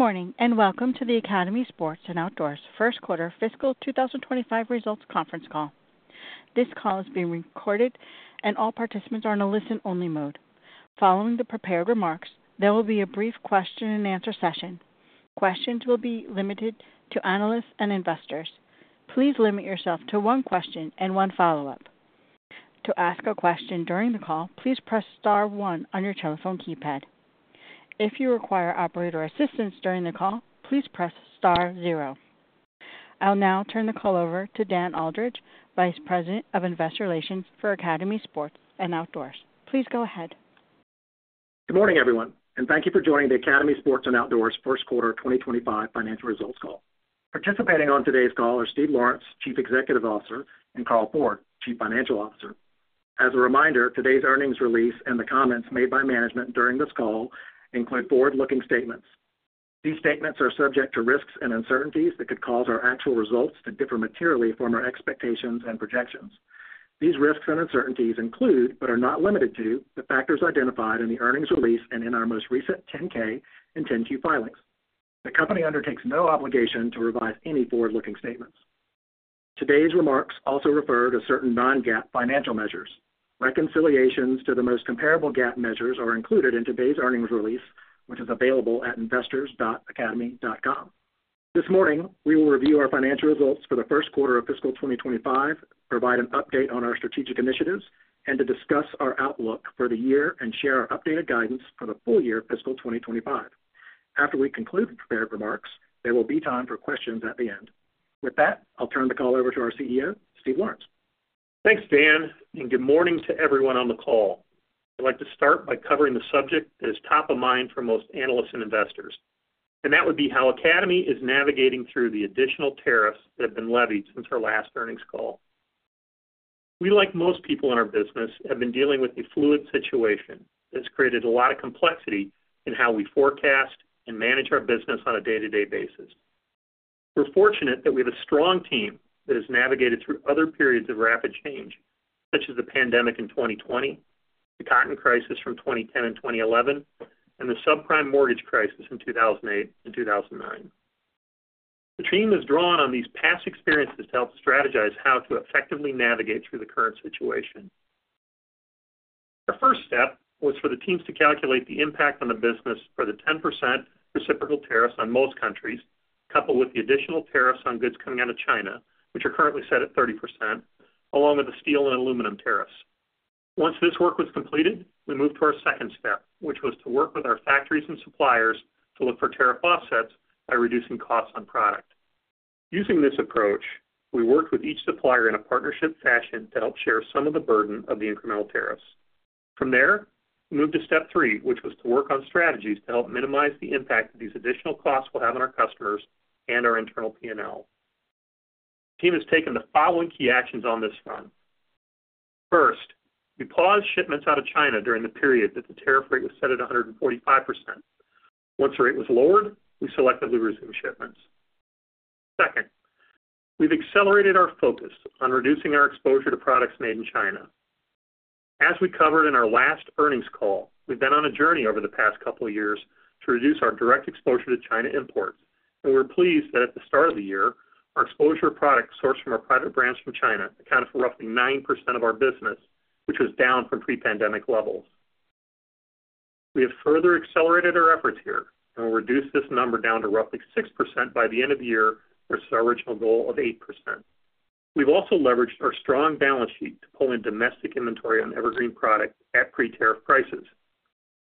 Good morning and welcome to the Academy Sports & Outdoors First Quarter Fiscal 2025 Results Conference Call. This call is being recorded, and all participants are in a listen-only mode. Following the prepared remarks, there will be a brief question-and-answer session. Questions will be limited to analysts and investors. Please limit yourself to one question and one follow-up. To ask a question during the call, please press star one on your telephone keypad. If you require operator assistance during the call, please press star zero. I'll now turn the call over to Dan Aldridge, Vice President of Investor Relations for Academy Sports & Outdoors. Please go ahead. Good morning, everyone, and thank you for joining the Academy Sports & Outdoors First Quarter 2025 Financial Results Call. Participating on today's call are Steve Lawrence, Chief Executive Officer, and Carl Ford, Chief Financial Officer. As a reminder, today's earnings release and the comments made by management during this call include forward-looking statements. These statements are subject to risks and uncertainties that could cause our actual results to differ materially from our expectations and projections. These risks and uncertainties include, but are not limited to, the factors identified in the earnings release and in our most recent 10-K and 10-Q filings. The company undertakes no obligation to revise any forward-looking statements. Today's remarks also refer to certain non-GAAP financial measures. Reconciliations to the most comparable GAAP measures are included in today's earnings release, which is available at investors.academy.com. This morning, we will review our financial results for the first quarter of fiscal 2025, provide an update on our strategic initiatives, and discuss our outlook for the year and share our updated guidance for the full year fiscal 2025. After we conclude the prepared remarks, there will be time for questions at the end. With that, I'll turn the call over to our CEO, Steve Lawrence. Thanks, Dan, and good morning to everyone on the call. I'd like to start by covering the subject that is top of mind for most analysts and investors, and that would be how Academy is navigating through the additional tariffs that have been levied since our last earnings call. We, like most people in our business, have been dealing with a fluid situation that's created a lot of complexity in how we forecast and manage our business on a day-to-day basis. We're fortunate that we have a strong team that has navigated through other periods of rapid change, such as the pandemic in 2020, the cotton crisis from 2010 and 2011, and the subprime mortgage crisis in 2008 and 2009. The team has drawn on these past experiences to help strategize how to effectively navigate through the current situation. Our first step was for the teams to calculate the impact on the business for the 10% reciprocal tariffs on most countries, coupled with the additional tariffs on goods coming out of China, which are currently set at 30%, along with the steel and aluminum tariffs. Once this work was completed, we moved to our second step, which was to work with our factories and suppliers to look for tariff offsets by reducing costs on product. Using this approach, we worked with each supplier in a partnership fashion to help share some of the burden of the incremental tariffs. From there, we moved to step three, which was to work on strategies to help minimize the impact that these additional costs will have on our customers and our internal P&L. The team has taken the following key actions on this front. First, we paused shipments out of China during the period that the tariff rate was set at 145%. Once the rate was lowered, we selectively resumed shipments. Second, we've accelerated our focus on reducing our exposure to products made in China. As we covered in our last earnings call, we've been on a journey over the past couple of years to reduce our direct exposure to China imports, and we're pleased that at the start of the year, our exposure to products sourced from our private brands from China accounted for roughly 9% of our business, which was down from pre-pandemic levels. We have further accelerated our efforts here and will reduce this number down to roughly 6% by the end of the year, versus our original goal of 8%. We've also leveraged our strong balance sheet to pull in domestic inventory on evergreen products at pre-tariff prices.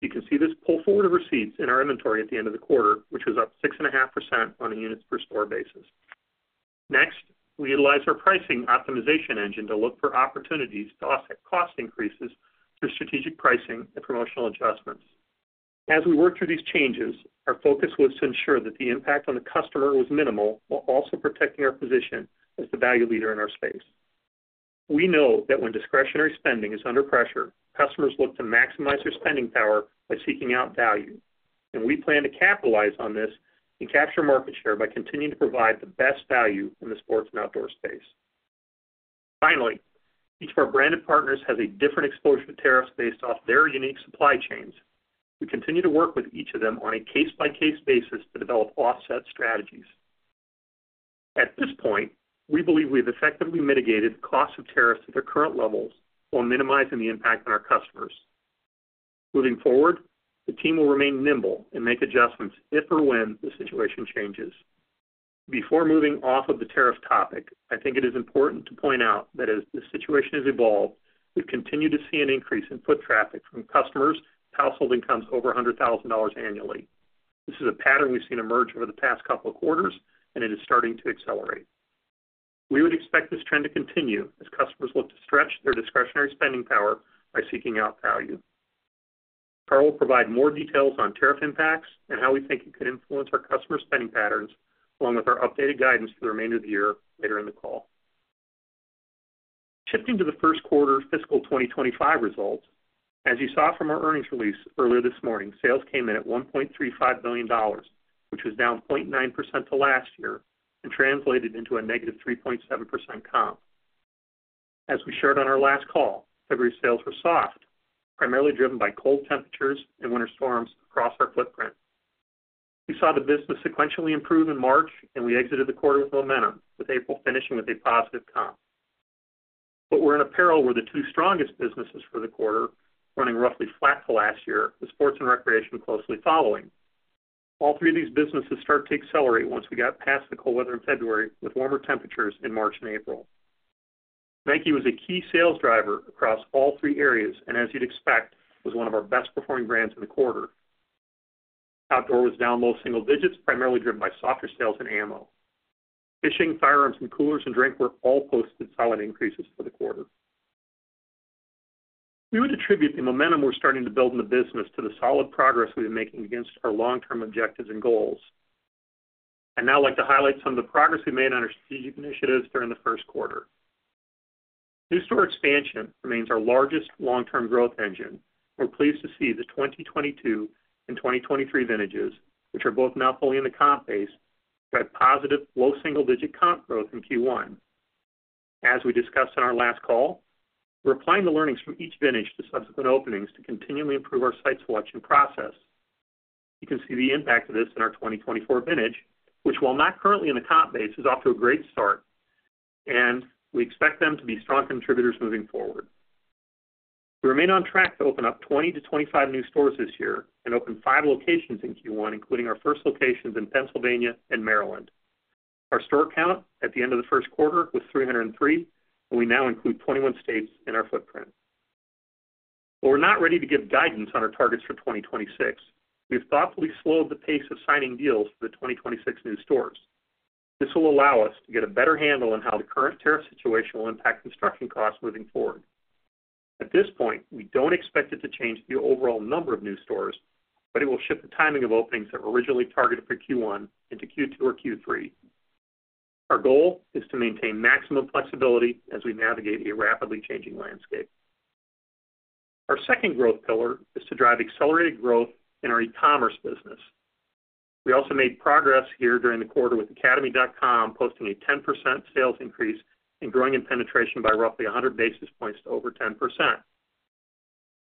You can see this pull forward of receipts in our inventory at the end of the quarter, which was up 6.5% on a unit per store basis. Next, we utilize our pricing optimization engine to look for opportunities to offset cost increases through strategic pricing and promotional adjustments. As we work through these changes, our focus was to ensure that the impact on the customer was minimal while also protecting our position as the value leader in our space. We know that when discretionary spending is under pressure, customers look to maximize their spending power by seeking out value, and we plan to capitalize on this and capture market share by continuing to provide the best value in the sports and outdoor space. Finally, each of our branded partners has a different exposure to tariffs based off their unique supply chains. We continue to work with each of them on a case-by-case basis to develop offset strategies. At this point, we believe we have effectively mitigated the cost of tariffs to their current levels while minimizing the impact on our customers. Moving forward, the team will remain nimble and make adjustments if or when the situation changes. Before moving off of the tariff topic, I think it is important to point out that as the situation has evolved, we've continued to see an increase in foot traffic from customers' household incomes over $100,000 annually. This is a pattern we've seen emerge over the past couple of quarters, and it is starting to accelerate. We would expect this trend to continue as customers look to stretch their discretionary spending power by seeking out value. Carl will provide more details on tariff impacts and how we think it could influence our customer spending patterns, along with our updated guidance for the remainder of the year later in the call. Shifting to the first quarter fiscal 2025 results, as you saw from our earnings release earlier this morning, sales came in at $1.35 billion, which was down 0.9% to last year and translated into a negative 3.7% comp. As we shared on our last call, February sales were soft, primarily driven by cold temperatures and winter storms across our footprint. We saw the business sequentially improve in March, and we exited the quarter with momentum, with April finishing with a positive comp. We are in a period where the two strongest businesses for the quarter, running roughly flat to last year, with sports and recreation closely following. All three of these businesses start to accelerate once we got past the cold weather in February with warmer temperatures in March and April. Nike was a key sales driver across all three areas and, as you'd expect, was one of our best-performing brands in the quarter. Outdoor was down low single digits, primarily driven by softer sales in ammo. Fishing, firearms, coolers, and drink were all posted solid increases for the quarter. We would attribute the momentum we're starting to build in the business to the solid progress we've been making against our long-term objectives and goals. I'd now like to highlight some of the progress we made on our strategic initiatives during the first quarter. New store expansion remains our largest long-term growth engine, and we're pleased to see the 2022 and 2023 vintages, which are both now fully in the comp base, drive positive low single-digit comp growth in Q1. As we discussed in our last call, we're applying the learnings from each vintage to subsequent openings to continually improve our site selection process. You can see the impact of this in our 2024 vintage, which, while not currently in the comp base, is off to a great start, and we expect them to be strong contributors moving forward. We remain on track to open up 20-25 new stores this year and open five locations in Q1, including our first locations in Pennsylvania and Maryland. Our store count at the end of the first quarter was 303, and we now include 21 states in our footprint. While we're not ready to give guidance on our targets for 2026, we've thoughtfully slowed the pace of signing deals for the 2026 new stores. This will allow us to get a better handle on how the current tariff situation will impact construction costs moving forward. At this point, we don't expect it to change the overall number of new stores, but it will shift the timing of openings that were originally targeted for Q1 into Q2 or Q3. Our goal is to maintain maximum flexibility as we navigate a rapidly changing landscape. Our second growth pillar is to drive accelerated growth in our e-commerce business. We also made progress here during the quarter with academy.com posting a 10% sales increase and growing in penetration by roughly 100 basis points to over 10%.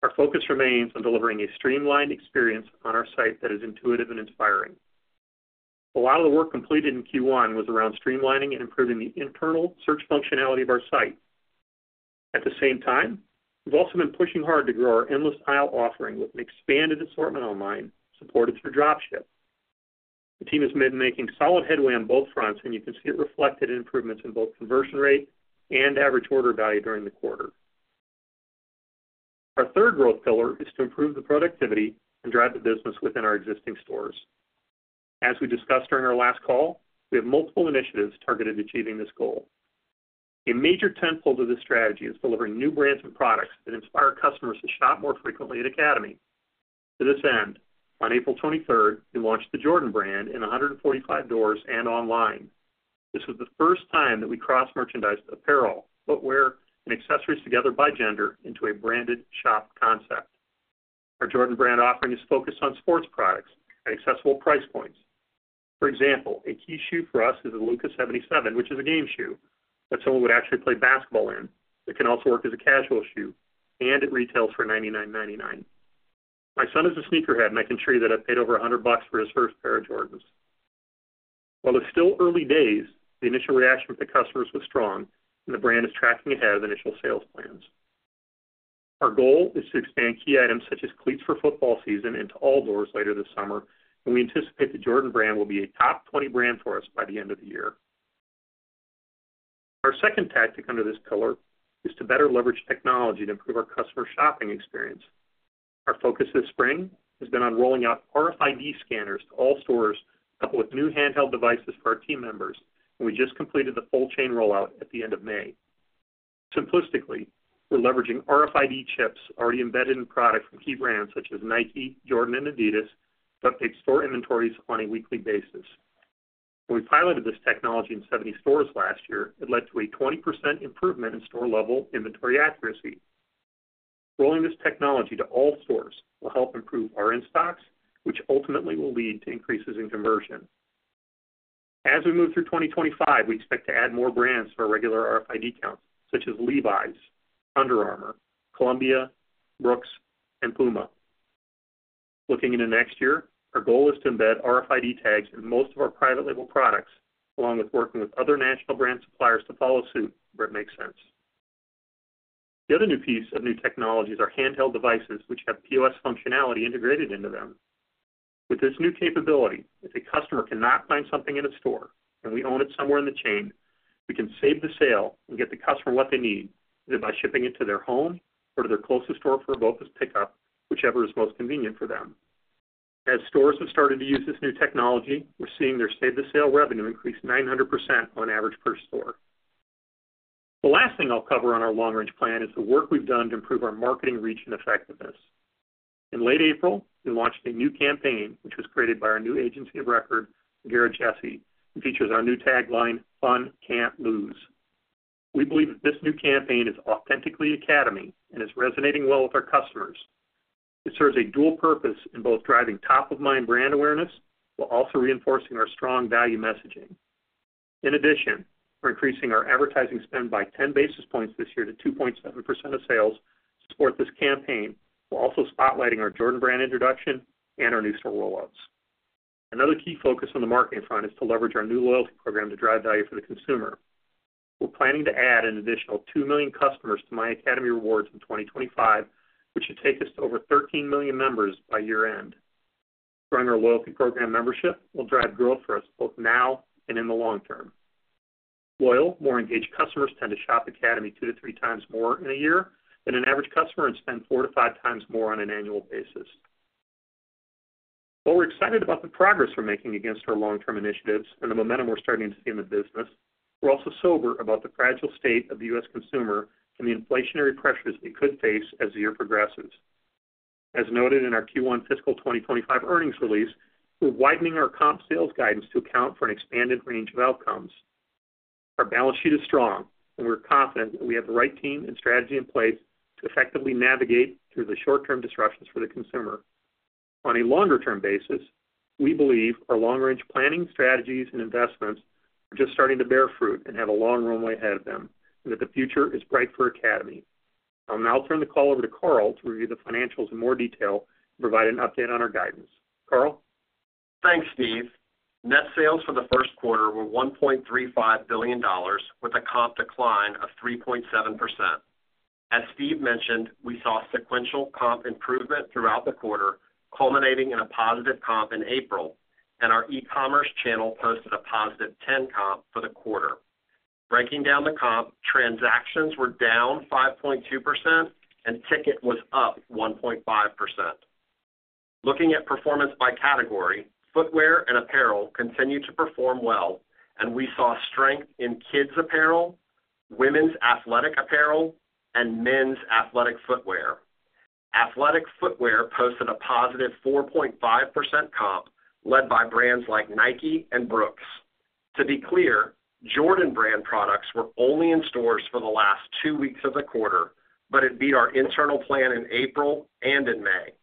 Our focus remains on delivering a streamlined experience on our site that is intuitive and inspiring. A lot of the work completed in Q1 was around streamlining and improving the internal search functionality of our site. At the same time, we've also been pushing hard to grow our endless aisle offering with an expanded assortment online supported through Dropship. The team has been making solid headway on both fronts, and you can see it reflected in improvements in both conversion rate and average order value during the quarter. Our third growth pillar is to improve the productivity and drive the business within our existing stores. As we discussed during our last call, we have multiple initiatives targeted at achieving this goal. A major tentpole to this strategy is delivering new brands and products that inspire customers to shop more frequently at Academy. To this end, on April 23rd, we launched the Jordan brand in 145 stores and online. This was the first time that we cross-merchandised apparel, footwear, and accessories together by gender into a branded shop concept. Our Jordan brand offering is focused on sports products at accessible price points. For example, a key shoe for us is a LeBron 17, which is a game shoe that someone would actually play basketball in. It can also work as a casual shoe, and it retails for $99.99. My son is a sneakerhead, and I can assure you that I've paid over $100 for his first pair of Jordans. While it's still early days, the initial reaction from customers was strong, and the brand is tracking ahead of initial sales plans. Our goal is to expand key items such as cleats for football season into all doors later this summer, and we anticipate the Jordan brand will be a top 20 brand for us by the end of the year. Our second tactic under this pillar is to better leverage technology to improve our customer shopping experience. Our focus this spring has been on rolling out RFID scanners to all stores, coupled with new handheld devices for our team members, and we just completed the full chain rollout at the end of May. Simplistically, we're leveraging RFID chips already embedded in products from key brands such as Nike, Jordan, and Adidas to update store inventories on a weekly basis. When we piloted this technology in 70 stores last year, it led to a 20% improvement in store-level inventory accuracy. Rolling this technology to all stores will help improve our in-stocks, which ultimately will lead to increases in conversion. As we move through 2025, we expect to add more brands to our regular RFID counts, such as Levi's, Under Armour, Columbia, Brooks, and Puma. Looking into next year, our goal is to embed RFID tags in most of our private label products, along with working with other national brand suppliers to follow suit where it makes sense. The other new piece of new technology is our handheld devices, which have POS functionality integrated into them. With this new capability, if a customer cannot find something in a store and we own it somewhere in the chain, we can save the sale and get the customer what they need, either by shipping it to their home or to their closest store for a BOPIS pickup, whichever is most convenient for them. As stores have started to use this new technology, we're seeing their save-the-sale revenue increase 900% on average per store. The last thing I'll cover on our long-range plan is the work we've done to improve our marketing reach and effectiveness. In late April, we launched a new campaign, which was created by our new agency of record, McGarrah Jessee, and features our new tagline, "Fun, Can't Lose." We believe that this new campaign is authentically Academy and is resonating well with our customers. It serves a dual purpose in both driving top-of-mind brand awareness while also reinforcing our strong value messaging. In addition, we're increasing our advertising spend by 10 basis points this year to 2.7% of sales to support this campaign while also spotlighting our Jordan brand introduction and our new store rollouts. Another key focus on the marketing front is to leverage our new loyalty program to drive value for the consumer. We're planning to add an additional 2 million customers to myAcademy rewards in 2025, which should take us to over 13 million members by year-end. Growing our loyalty program membership will drive growth for us both now and in the long term. Loyal, more engaged customers tend to shop Academy two to three times more in a year than an average customer and spend four to five times more on an annual basis. While we're excited about the progress we're making against our long-term initiatives and the momentum we're starting to see in the business, we're also sober about the fragile state of the U.S. consumer and the inflationary pressures they could face as the year progresses. As noted in our Q1 fiscal 2025 earnings release, we're widening our comp sales guidance to account for an expanded range of outcomes. Our balance sheet is strong, and we're confident that we have the right team and strategy in place to effectively navigate through the short-term disruptions for the consumer. On a longer-term basis, we believe our long-range planning, strategies, and investments are just starting to bear fruit and have a long runway ahead of them, and that the future is bright for Academy. I'll now turn the call over to Carl to review the financials in more detail and provide an update on our guidance. Carl. Thanks, Steve. Net sales for the first quarter were $1.35 billion, with a comp decline of 3.7%. As Steve mentioned, we saw sequential comp improvement throughout the quarter, culminating in a positive comp in April, and our e-commerce channel posted a positive 10% comp for the quarter. Breaking down the comp, transactions were down 5.2%, and ticket was up 1.5%. Looking at performance by category, footwear and apparel continued to perform well, and we saw strength in kids' apparel, women's athletic apparel, and men's athletic footwear. Athletic footwear posted a positive 4.5% comp, led by brands like Nike and Brooks. To be clear, Jordan brand products were only in stores for the last two weeks of the quarter, but it beat our internal plan in April and in May.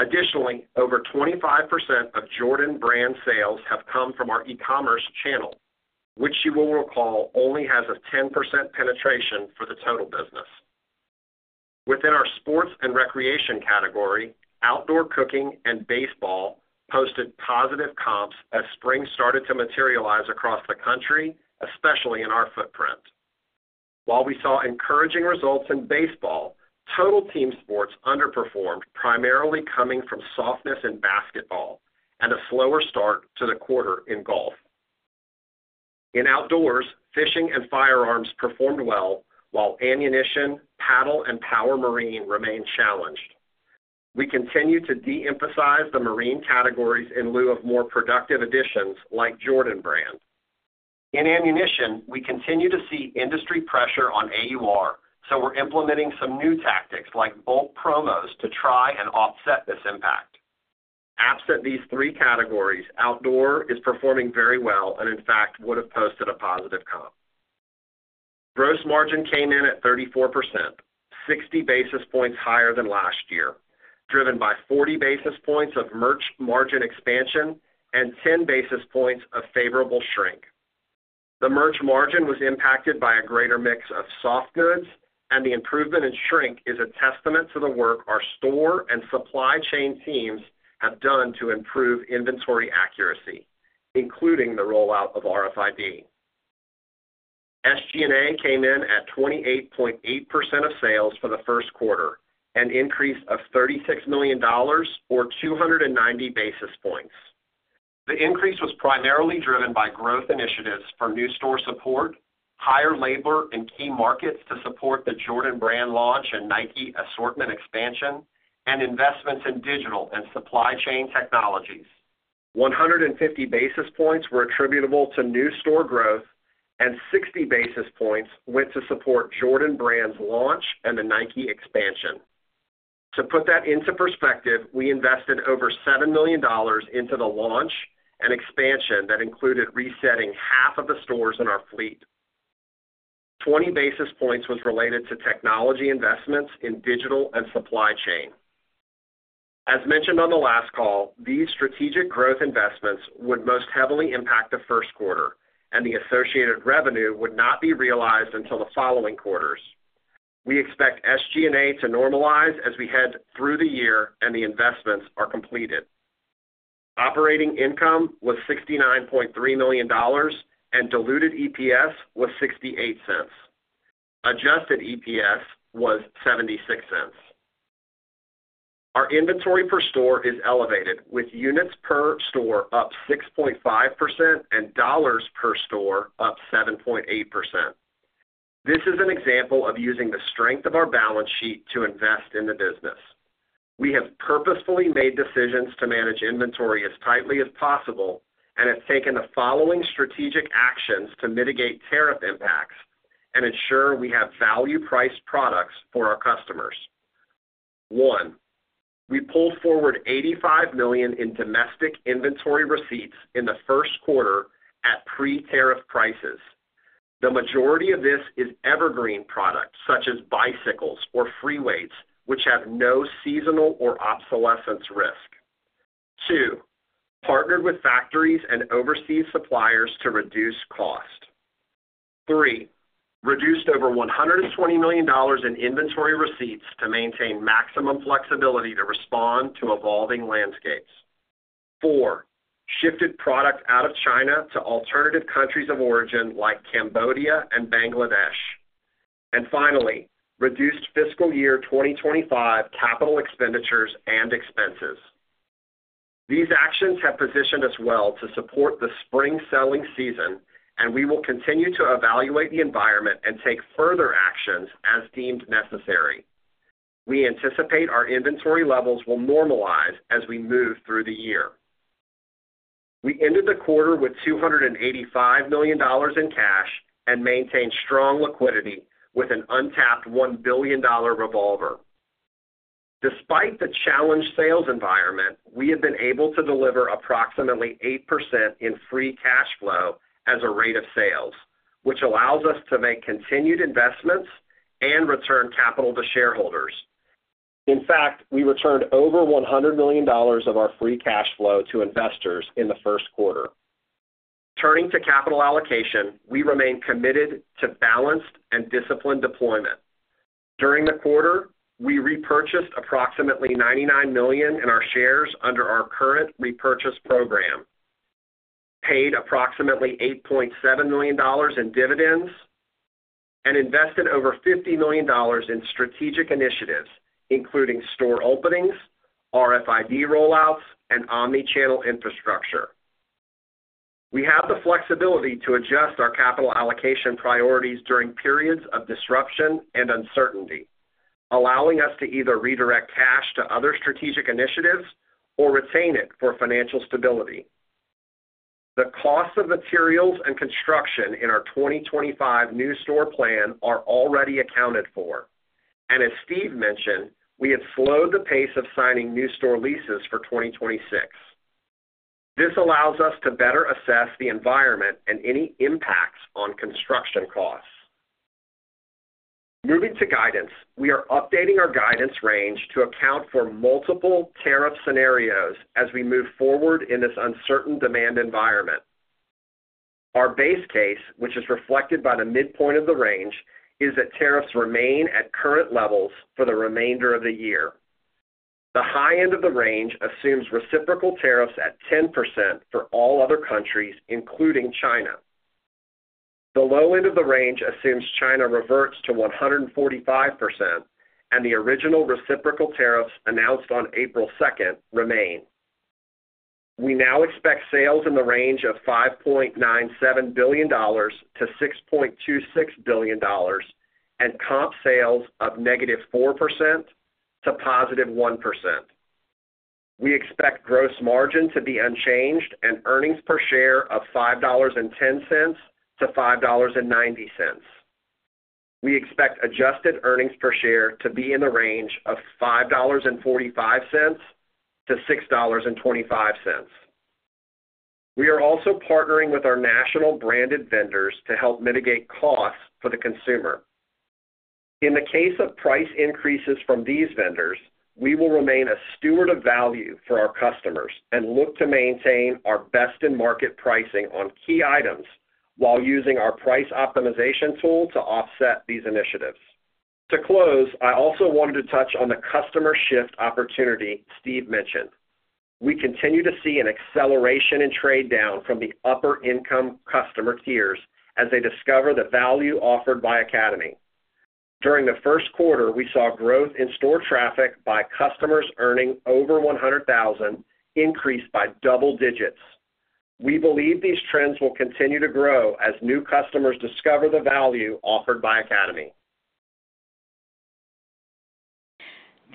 Additionally, over 25% of Jordan brand sales have come from our e-commerce channel, which you will recall only has a 10% penetration for the total business. Within our sports and recreation category, outdoor cooking and baseball posted positive comps as spring started to materialize across the country, especially in our footprint. While we saw encouraging results in baseball, total team sports underperformed, primarily coming from softness in basketball and a slower start to the quarter in golf. In outdoors, fishing and firearms performed well, while ammunition, paddle, and power marine remained challenged. We continue to de-emphasize the marine categories in lieu of more productive additions like Jordan brand. In ammunition, we continue to see industry pressure on AUR, so we're implementing some new tactics like bulk promos to try and offset this impact. Absent these three categories, outdoor is performing very well and, in fact, would have posted a positive comp. Gross margin came in at 34%, 60 basis points higher than last year, driven by 40 basis points of merch margin expansion and 10 basis points of favorable shrink. The merch margin was impacted by a greater mix of soft goods, and the improvement in shrink is a testament to the work our store and supply chain teams have done to improve inventory accuracy, including the rollout of RFID. SG&A came in at 28.8% of sales for the first quarter, an increase of $36 million, or 290 basis points. The increase was primarily driven by growth initiatives for new store support, higher labor in key markets to support the Jordan brand launch and Nike assortment expansion, and investments in digital and supply chain technologies. 150 basis points were attributable to new store growth, and 60 basis points went to support Jordan brand's launch and the Nike expansion. To put that into perspective, we invested over $7 million into the launch and expansion that included resetting half of the stores in our fleet. 20 basis points was related to technology investments in digital and supply chain. As mentioned on the last call, these strategic growth investments would most heavily impact the first quarter, and the associated revenue would not be realized until the following quarters. We expect SG&A to normalize as we head through the year and the investments are completed. Operating income was $69.3 million, and diluted EPS was $0.68. Adjusted EPS was $0.76. Our inventory per store is elevated, with units per store up 6.5% and dollars per store up 7.8%. This is an example of using the strength of our balance sheet to invest in the business. We have purposefully made decisions to manage inventory as tightly as possible and have taken the following strategic actions to mitigate tariff impacts and ensure we have value-priced products for our customers. One, we pulled forward $85 million in domestic inventory receipts in the first quarter at pre-tariff prices. The majority of this is evergreen products, such as bicycles or free weights, which have no seasonal or obsolescence risk. Two, partnered with factories and overseas suppliers to reduce cost. Three, reduced over $120 million in inventory receipts to maintain maximum flexibility to respond to evolving landscapes. Four, shifted product out of China to alternative countries of origin like Cambodia and Bangladesh. Finally, reduced fiscal year 2025 capital expenditures and expenses. These actions have positioned us well to support the spring selling season, and we will continue to evaluate the environment and take further actions as deemed necessary. We anticipate our inventory levels will normalize as we move through the year. We ended the quarter with $285 million in cash and maintained strong liquidity with an untapped $1 billion revolver. Despite the challenged sales environment, we have been able to deliver approximately 8% in free cash flow as a rate of sales, which allows us to make continued investments and return capital to shareholders. In fact, we returned over $100 million of our free cash flow to investors in the first quarter. Turning to capital allocation, we remain committed to balanced and disciplined deployment. During the quarter, we repurchased approximately $99 million in our shares under our current repurchase program, paid approximately $8.7 million in dividends, and invested over $50 million in strategic initiatives, including store openings, RFID rollouts, and omnichannel infrastructure. We have the flexibility to adjust our capital allocation priorities during periods of disruption and uncertainty, allowing us to either redirect cash to other strategic initiatives or retain it for financial stability. The costs of materials and construction in our 2025 new store plan are already accounted for, and as Steve mentioned, we have slowed the pace of signing new store leases for 2026. This allows us to better assess the environment and any impacts on construction costs. Moving to guidance, we are updating our guidance range to account for multiple tariff scenarios as we move forward in this uncertain demand environment. Our base case, which is reflected by the midpoint of the range, is that tariffs remain at current levels for the remainder of the year. The high end of the range assumes reciprocal tariffs at 10% for all other countries, including China. The low end of the range assumes China reverts to 145%, and the original reciprocal tariffs announced on April 2nd remain. We now expect sales in the range of $5.97 billion-$6.26 billion and comp sales of -4% to +1%. We expect gross margin to be unchanged and earnings per share of $5.10-$5.90. We expect adjusted earnings per share to be in the range of $5.45-$6.25. We are also partnering with our national branded vendors to help mitigate costs for the consumer. In the case of price increases from these vendors, we will remain a steward of value for our customers and look to maintain our best-in-market pricing on key items while using our price optimization tool to offset these initiatives. To close, I also wanted to touch on the customer shift opportunity Steve mentioned. We continue to see an acceleration in trade down from the upper-income customer tiers as they discover the value offered by Academy. During the first quarter, we saw growth in store traffic by customers earning over $100,000, increased by double digits. We believe these trends will continue to grow as new customers discover the value offered by Academy.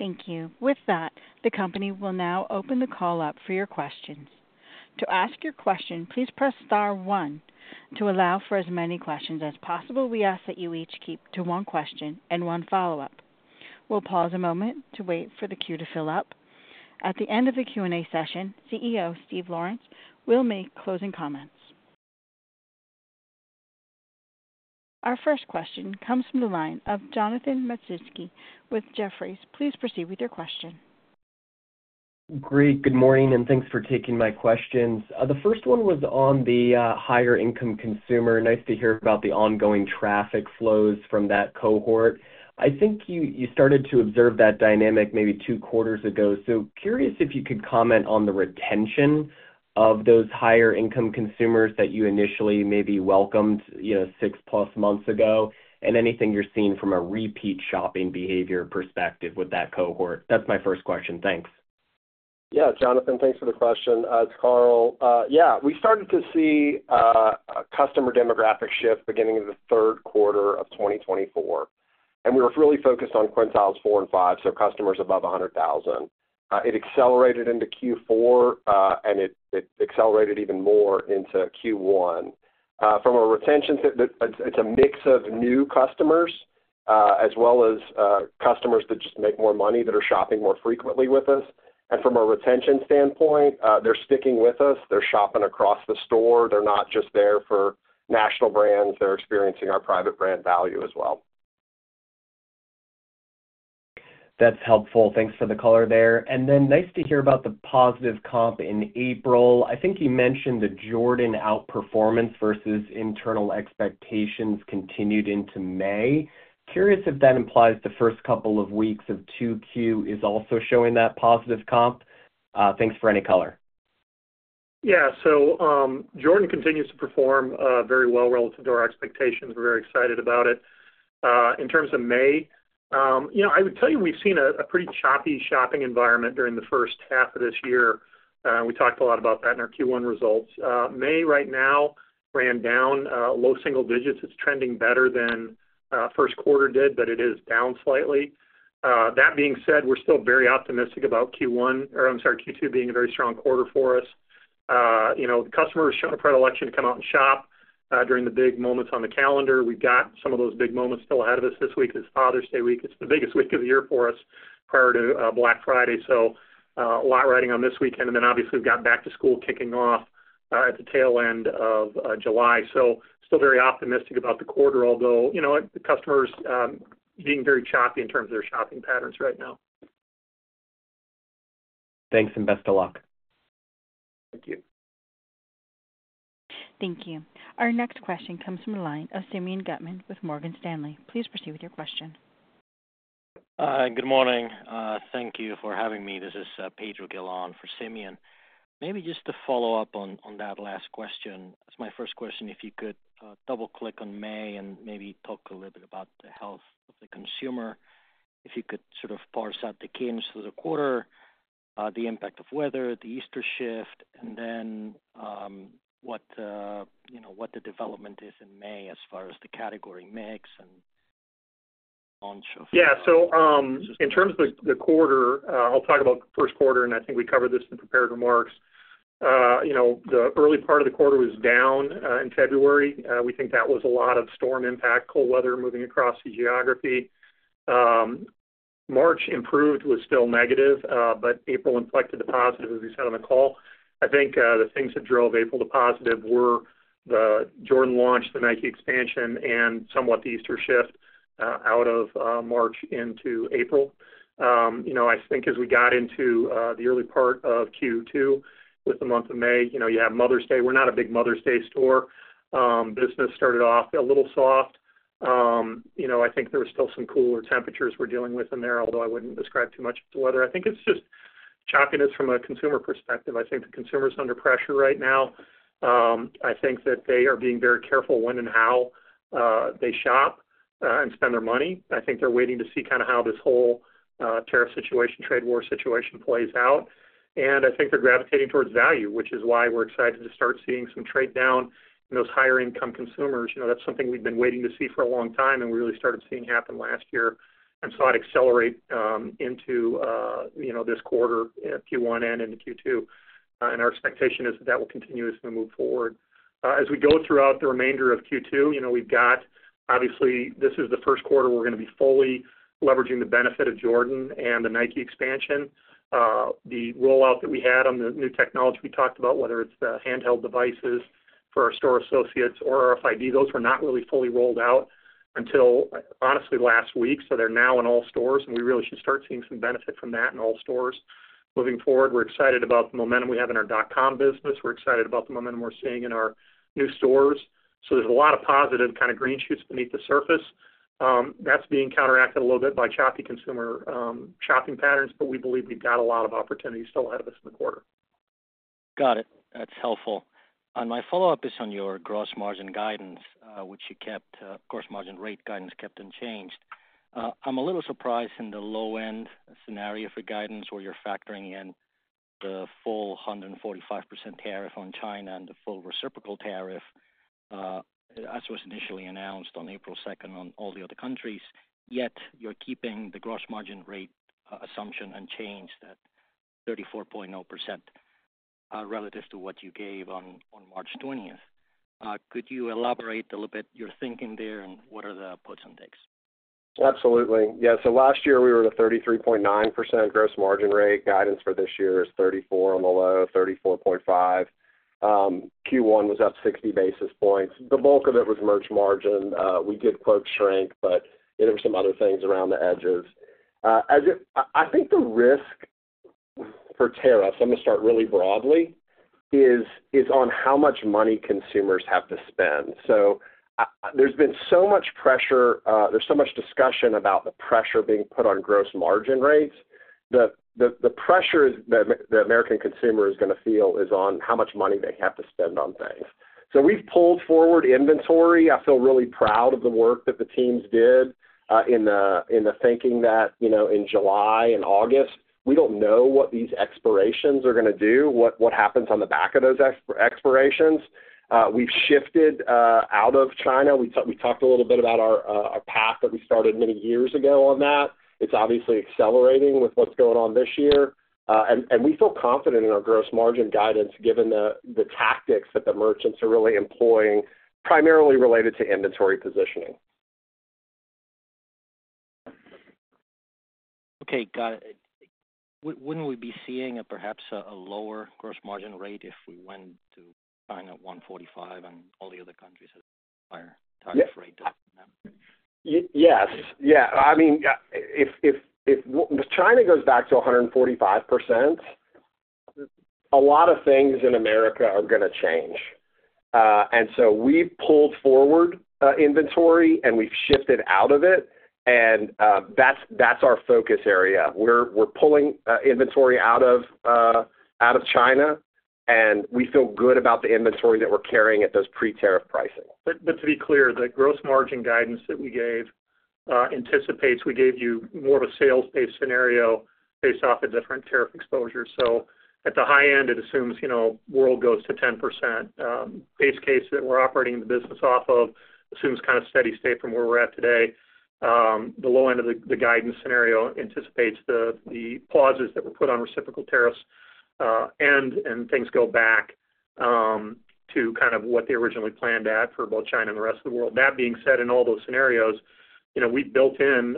Thank you. With that, the company will now open the call up for your questions. To ask your question, please press star one to allow for as many questions as possible. We ask that you each keep to one question and one follow-up. We'll pause a moment to wait for the queue to fill up. At the end of the Q&A session, CEO Steve Lawrence will make closing comments. Our first question comes from the line of Jonathan Matuszewski with Jefferies. Please proceed with your question. Great. Good morning, and thanks for taking my questions. The first one was on the higher-income consumer. Nice to hear about the ongoing traffic flows from that cohort. I think you started to observe that dynamic maybe two quarters ago. Curious if you could comment on the retention of those higher-income consumers that you initially maybe welcomed six-plus months ago and anything you're seeing from a repeat shopping behavior perspective with that cohort. That's my first question. Thanks. Yeah, Jonathan, thanks for the question. It's Carl. Yeah, we started to see a customer demographic shift beginning of the third quarter of 2024. We were really focused on quintiles four and five, so customers above $100,000. It accelerated into Q4, and it accelerated even more into Q1. From a retention, it's a mix of new customers as well as customers that just make more money, that are shopping more frequently with us. From a retention standpoint, they're sticking with us. They're shopping across the store. They're not just there for national brands. They're experiencing our private brand value as well. That's helpful. Thanks for the color there. Nice to hear about the positive comp in April. I think you mentioned the Jordan outperformance versus internal expectations continued into May. Curious if that implies the first couple of weeks of 2Q is also showing that positive comp. Thanks for any color. Yeah. So Jordan continues to perform very well relative to our expectations. We're very excited about it. In terms of May, I would tell you we've seen a pretty choppy shopping environment during the first half of this year. We talked a lot about that in our Q1 results. May right now ran down low single digits. It's trending better than first quarter did, but it is down slightly. That being said, we're still very optimistic about Q1 or I'm sorry, Q2 being a very strong quarter for us. The customer is showing a predilection to come out and shop during the big moments on the calendar. We've got some of those big moments still ahead of us this week. It's Father's Day week. It's the biggest week of the year for us prior to Black Friday. A lot riding on this weekend. Obviously, we've got back to school kicking off at the tail end of July. Still very optimistic about the quarter, although the customer is being very choppy in terms of their shopping patterns right now. Thanks and best of luck. Thank you. Thank you. Our next question comes from the line of Simeon Gutman with Morgan Stanley. Please proceed with your question. Good morning. Thank you for having me. This is Pedro Guillon for Simeon. Maybe just to follow up on that last question. That's my first question. If you could double-click on May and maybe talk a little bit about the health of the consumer. If you could sort of parse out the kinks of the quarter, the impact of weather, the Easter shift, and then what the development is in May as far as the category mix and launch of. Yeah. So in terms of the quarter, I'll talk about the first quarter, and I think we covered this in prepared remarks. The early part of the quarter was down in February. We think that was a lot of storm impact, cold weather moving across the geography. March improved, was still negative, but April inflected to positive as we said on the call. I think the things that drove April to positive were the Jordan launch, the Nike expansion, and somewhat the Easter shift out of March into April. I think as we got into the early part of Q2 with the month of May, you have Mother's Day. We're not a big Mother's Day store. Business started off a little soft. I think there were still some cooler temperatures we're dealing with in there, although I wouldn't describe too much to the weather. I think it's just choppiness from a consumer perspective. I think the consumer is under pressure right now. I think that they are being very careful when and how they shop and spend their money. I think they're waiting to see kind of how this whole tariff situation, trade war situation plays out. I think they're gravitating towards value, which is why we're excited to start seeing some trade down in those higher-income consumers. That's something we've been waiting to see for a long time, and we really started seeing happen last year and saw it accelerate into this quarter, Q1 and into Q2. Our expectation is that that will continue as we move forward. As we go throughout the remainder of Q2, we've got obviously, this is the first quarter we're going to be fully leveraging the benefit of Jordan and the Nike expansion. The rollout that we had on the new technology we talked about, whether it's the handheld devices for our store associates or RFID, those were not really fully rolled out until, honestly, last week. They are now in all stores, and we really should start seeing some benefit from that in all stores moving forward. We're excited about the momentum we have in our dot-com business. We're excited about the momentum we're seeing in our new stores. There is a lot of positive kind of green shoots beneath the surface. That is being counteracted a little bit by choppy consumer shopping patterns, but we believe we've got a lot of opportunities still ahead of us in the quarter. Got it. That's helpful. My follow-up is on your gross margin guidance, which you kept, gross margin rate guidance kept unchanged. I'm a little surprised in the low-end scenario for guidance where you're factoring in the full 145% tariff on China and the full reciprocal tariff, as was initially announced on April 2nd on all the other countries. Yet you're keeping the gross margin rate assumption unchanged at 34.0% relative to what you gave on March 20th. Could you elaborate a little bit your thinking there and what are the puts and takes? Absolutely. Yeah. Last year, we were at a 33.9% gross margin rate. Guidance for this year is 34 on the low, 34.5. Q1 was up 60 basis points. The bulk of it was merch margin. We did quote shrink, but there were some other things around the edges. I think the risk for tariffs, I'm going to start really broadly, is on how much money consumers have to spend. There has been so much pressure. There is so much discussion about the pressure being put on gross margin rates that the pressure the American consumer is going to feel is on how much money they have to spend on things. We have pulled forward inventory. I feel really proud of the work that the teams did in the thinking that in July and August, we don't know what these expirations are going to do, what happens on the back of those expirations. We've shifted out of China. We talked a little bit about our path that we started many years ago on that. It's obviously accelerating with what's going on this year. We feel confident in our gross margin guidance given the tactics that the merchants are really employing, primarily related to inventory positioning. Okay. Got it. Wouldn't we be seeing perhaps a lower gross margin rate if we went to China 145 and all the other countries at a higher tariff rate than now? Yes. Yeah. I mean, if China goes back to 145%, a lot of things in America are going to change. We've pulled forward inventory, and we've shifted out of it. That's our focus area. We're pulling inventory out of China, and we feel good about the inventory that we're carrying at those pre-tariff pricing. To be clear, the gross margin guidance that we gave anticipates we gave you more of a sales-based scenario based off a different tariff exposure. At the high end, it assumes world goes to 10%. Base case that we're operating the business off of assumes kind of steady state from where we're at today. The low end of the guidance scenario anticipates the pauses that were put on reciprocal tariffs, and things go back to kind of what they originally planned at for both China and the rest of the world. That being said, in all those scenarios, we've built in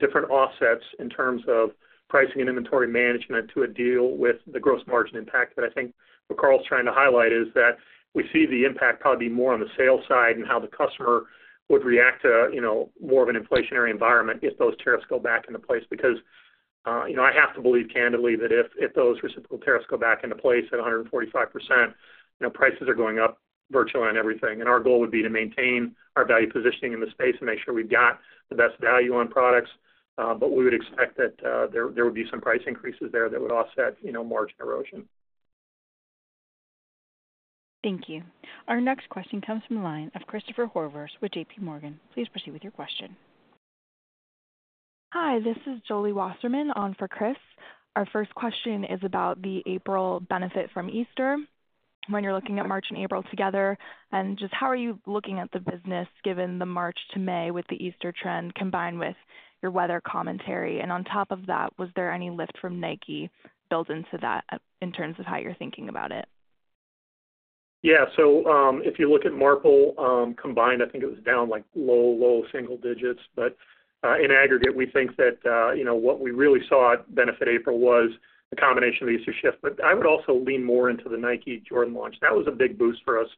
different offsets in terms of pricing and inventory management to deal with the gross margin impact. I think what Carl's trying to highlight is that we see the impact probably be more on the sales side and how the customer would react to more of an inflationary environment if those tariffs go back into place. I have to believe candidly that if those reciprocal tariffs go back into place at 145%, prices are going up virtually on everything. Our goal would be to maintain our value positioning in the space and make sure we've got the best value on products. We would expect that there would be some price increases there that would offset margin erosion. Thank you. Our next question comes from the line of Christopher Horvers with JPMorgan. Please proceed with your question. Hi. This is Jolee Wasserman on for Chris. Our first question is about the April benefit from Easter, when you're looking at March and April together, and just how are you looking at the business given the March to May with the Easter trend combined with your weather commentary? On top of that, was there any lift from Nike built into that in terms of how you're thinking about it? Yeah. So if you look at Marple combined, I think it was down low single digits. But in aggregate, we think that what we really saw at benefit April was the combination of the Easter shift. But I would also lean more into the Nike Jordan launch. That was a big boost for us.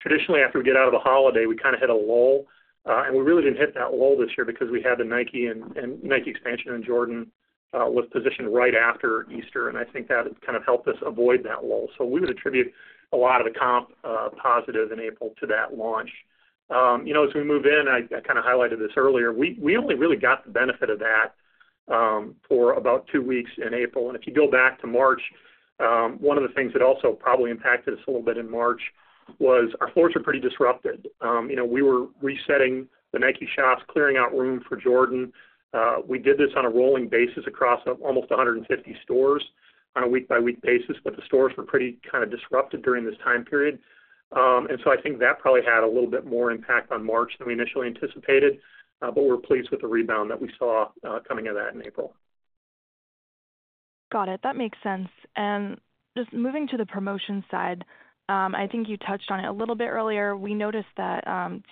Traditionally, after we get out of the holiday, we kind of hit a lull. And we really did not hit that lull this year because we had the Nike and Nike expansion and Jordan was positioned right after Easter. I think that kind of helped us avoid that lull. We would attribute a lot of the comp positive in April to that launch. As we move in, I kind of highlighted this earlier. We only really got the benefit of that for about two weeks in April. If you go back to March, one of the things that also probably impacted us a little bit in March was our floors were pretty disrupted. We were resetting the Nike shops, clearing out room for Jordan. We did this on a rolling basis across almost 150 stores on a week-by-week basis, but the stores were pretty kind of disrupted during this time period. I think that probably had a little bit more impact on March than we initially anticipated. We're pleased with the rebound that we saw coming off that in April. Got it. That makes sense. Just moving to the promotion side, I think you touched on it a little bit earlier. We noticed that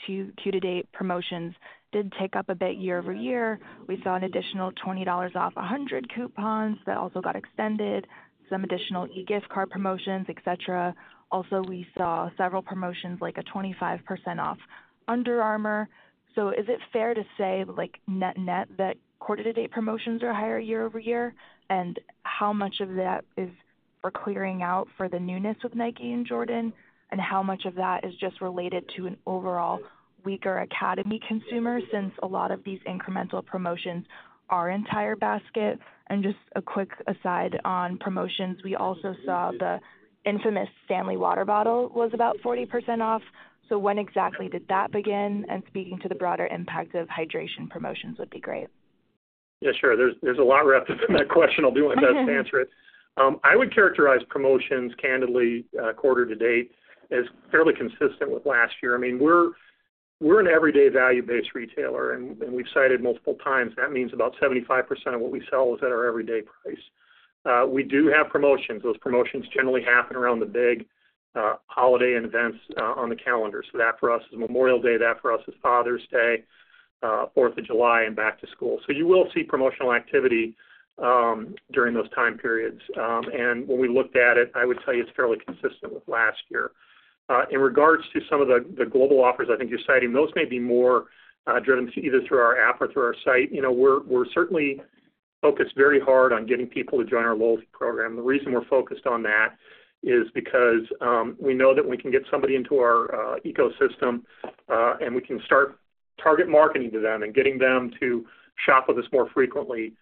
Q2 to date promotions did tick up a bit year over year. We saw an additional $20 off $100 coupons that also got extended, some additional e-gift card promotions, etc. We also saw several promotions like a 25% off Under Armour. Is it fair to say net-net that quarter-to-date promotions are higher year-over-year? How much of that is for clearing out for the newness with Nike and Jordan? How much of that is just related to an overall weaker Academy consumer since a lot of these incremental promotions are entire basket? Just a quick aside on promotions, we also saw the infamous Stanley water bottle was about 40% off. When exactly did that begin? Speaking to the broader impact of hydration promotions would be great. Yeah, sure. There's a lot wrapped up in that question. I'll do my best to answer it. I would characterize promotions, candidly, quarter-to-date as fairly consistent with last year. I mean, we're an everyday value-based retailer, and we've cited multiple times. That means about 75% of what we sell is at our everyday price. We do have promotions. Those promotions generally happen around the big holiday and events on the calendar. That for us is Memorial Day. That for us is Father's Day, 4th of July, and back to school. You will see promotional activity during those time periods. When we looked at it, I would tell you it's fairly consistent with last year. In regards to some of the global offers I think you're citing, those may be more driven either through our app or through our site. We're certainly focused very hard on getting people to join our loyalty program. The reason we're focused on that is because we know that when we can get somebody into our ecosystem and we can start target marketing to them and getting them to shop with us more frequently,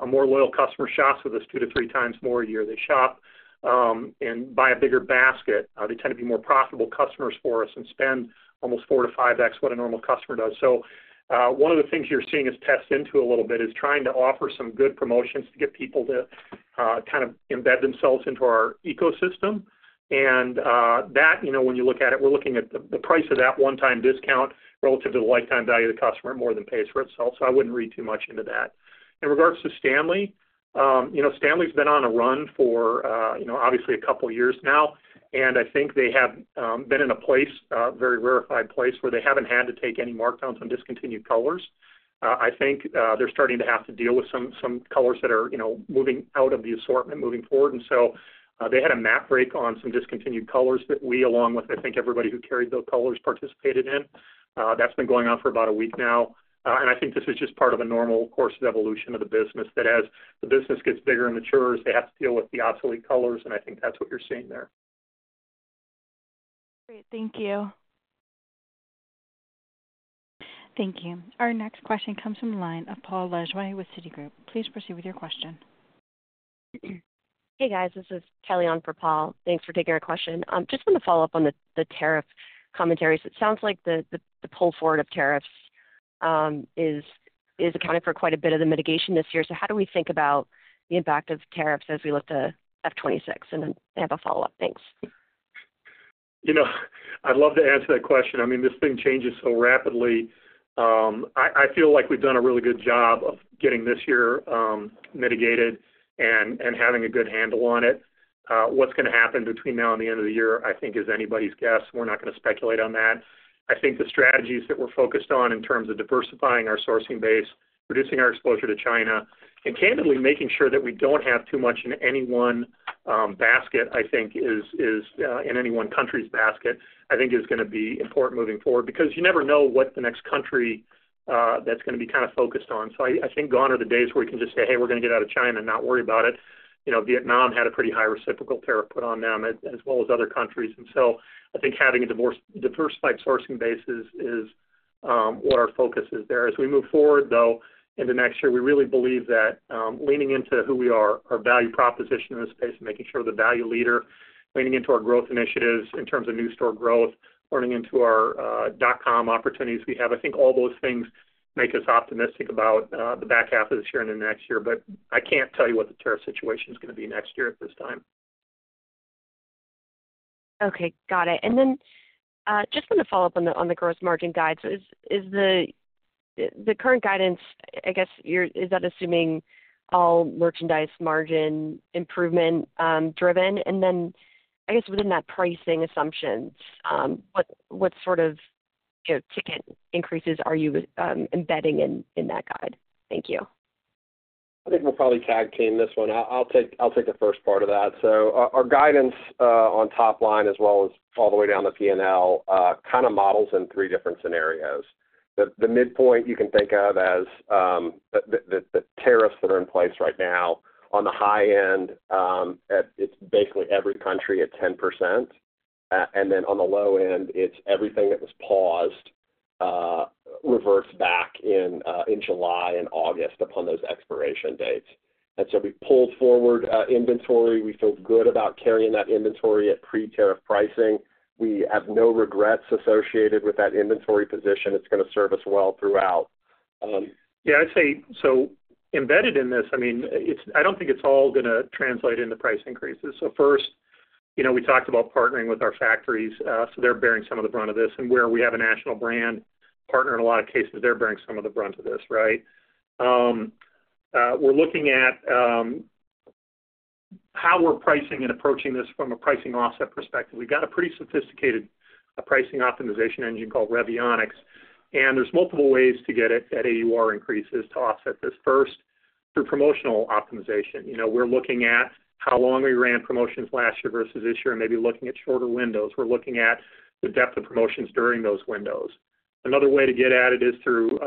a more loyal customer shops with us two to three times more a year. They shop and buy a bigger basket. They tend to be more profitable customers for us and spend almost four to five X what a normal customer does. One of the things you're seeing is tested into a little bit is trying to offer some good promotions to get people to kind of embed themselves into our ecosystem. When you look at it, we're looking at the price of that one-time discount relative to the lifetime value of the customer, it more than pays for itself. I wouldn't read too much into that. In regards to Stanley, Stanley's been on a run for obviously a couple of years now. I think they have been in a very rarefied place where they haven't had to take any markdowns on discontinued colors. I think they're starting to have to deal with some colors that are moving out of the assortment moving forward. They had a map break on some discontinued colors that we, along with, I think, everybody who carried those colors, participated in. That's been going on for about a week now. I think this is just part of a normal course of evolution of the business that as the business gets bigger and matures, they have to deal with the obsolete colors. I think that's what you're seeing there. Great. Thank you. Thank you. Our next question comes from the line of Paul LeJoy with Citigroup. Please proceed with your question. Hey, guys. This is Kelly on for Paul. Thanks for taking our question. Just want to follow up on the tariff commentary. It sounds like the pull forward of tariffs is accounting for quite a bit of the mitigation this year. How do we think about the impact of tariffs as we look to F26? I have a follow-up. Thanks. I'd love to answer that question. I mean, this thing changes so rapidly. I feel like we've done a really good job of getting this year mitigated and having a good handle on it. What's going to happen between now and the end of the year, I think, is anybody's guess. We're not going to speculate on that. I think the strategies that we're focused on in terms of diversifying our sourcing base, reducing our exposure to China, and candidly making sure that we don't have too much in any one basket, I think, in any one country's basket, I think is going to be important moving forward because you never know what the next country that's going to be kind of focused on. I think gone are the days where we can just say, "Hey, we're going to get out of China and not worry about it." Vietnam had a pretty high reciprocal tariff put on them as well as other countries. I think having a diversified sourcing base is what our focus is there. As we move forward, though, into next year, we really believe that leaning into who we are, our value proposition in this space, and making sure we're the value leader, leaning into our growth initiatives in terms of new store growth, leaning into our dot-com opportunities we have, I think all those things make us optimistic about the back half of this year and into next year. I can't tell you what the tariff situation is going to be next year at this time. Okay. Got it. I just want to follow up on the gross margin guide. Is the current guidance, I guess, is that assuming all merchandise margin improvement driven? I guess within that pricing assumptions, what sort of ticket increases are you embedding in that guide? Thank you. I think we're probably tag team this one. I'll take the first part of that. Our guidance on top line as well as all the way down the P&L kind of models in three different scenarios. The midpoint you can think of as the tariffs that are in place right now. On the high end, it's basically every country at 10%. On the low end, it's everything that was paused reversed back in July and August upon those expiration dates. We pulled forward inventory. We feel good about carrying that inventory at pre-tariff pricing. We have no regrets associated with that inventory position. It's going to serve us well throughout. Yeah. I'd say so embedded in this, I mean, I don't think it's all going to translate into price increases. First, we talked about partnering with our factories. They're bearing some of the brunt of this. Where we have a national brand partner, in a lot of cases, they're bearing some of the brunt of this, right? We're looking at how we're pricing and approaching this from a pricing offset perspective. We've got a pretty sophisticated pricing optimization engine called Revionics. There are multiple ways to get at AUR increases to offset this. First, through promotional optimization. We're looking at how long we ran promotions last year versus this year and maybe looking at shorter windows. We're looking at the depth of promotions during those windows. Another way to get at it is through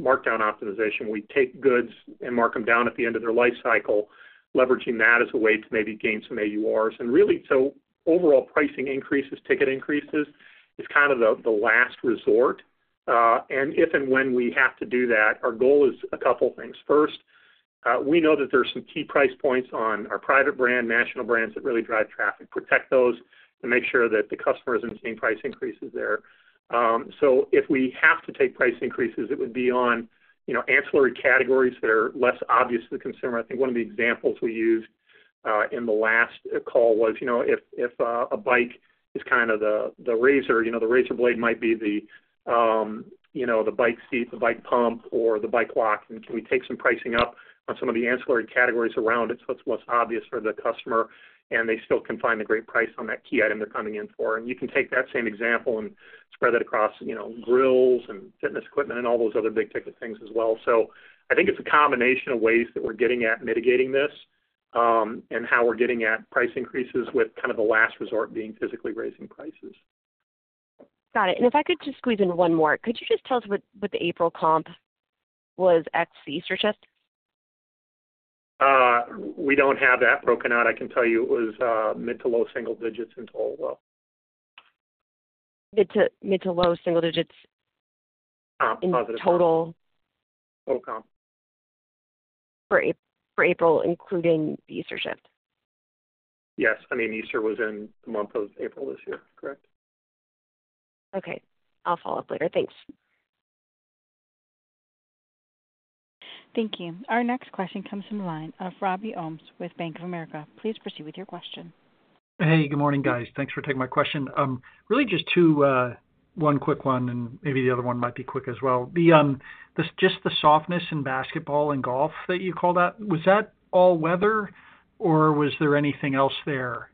markdown optimization. We take goods and mark them down at the end of their life cycle, leveraging that as a way to maybe gain some AURs. Really, overall pricing increases, ticket increases is kind of the last resort. If and when we have to do that, our goal is a couple of things. First, we know that there are some key price points on our private brand, national brands that really drive traffic. Protect those and make sure that the customer isn't seeing price increases there. If we have to take price increases, it would be on ancillary categories that are less obvious to the consumer. I think one of the examples we used in the last call was if a bike is kind of the razor, the razor blade might be the bike seat, the bike pump, or the bike lock. Can we take some pricing up on some of the ancillary categories around it so it is less obvious for the customer and they still can find a great price on that key item they are coming in for? You can take that same example and spread that across grills and fitness equipment and all those other big ticket things as well. I think it is a combination of ways that we are getting at mitigating this and how we are getting at price increases with kind of the last resort being physically raising prices. Got it. If I could just squeeze in one more, could you just tell us what the April comp was at Easter shift? We don't have that broken out. I can tell you it was mid to low single digits in total. Mid to low single digits in total? Total comp. For April, including the Easter shift? Yes. I mean, Easter was in the month of April this year, correct? Okay. I'll follow up later. Thanks. Thank you. Our next question comes from the line of Robbie Ohmes with Bank of America. Please proceed with your question. Hey, good morning, guys. Thanks for taking my question. Really just one quick one, and maybe the other one might be quick as well. Just the softness in basketball and golf that you called out, was that all weather or was there anything else there?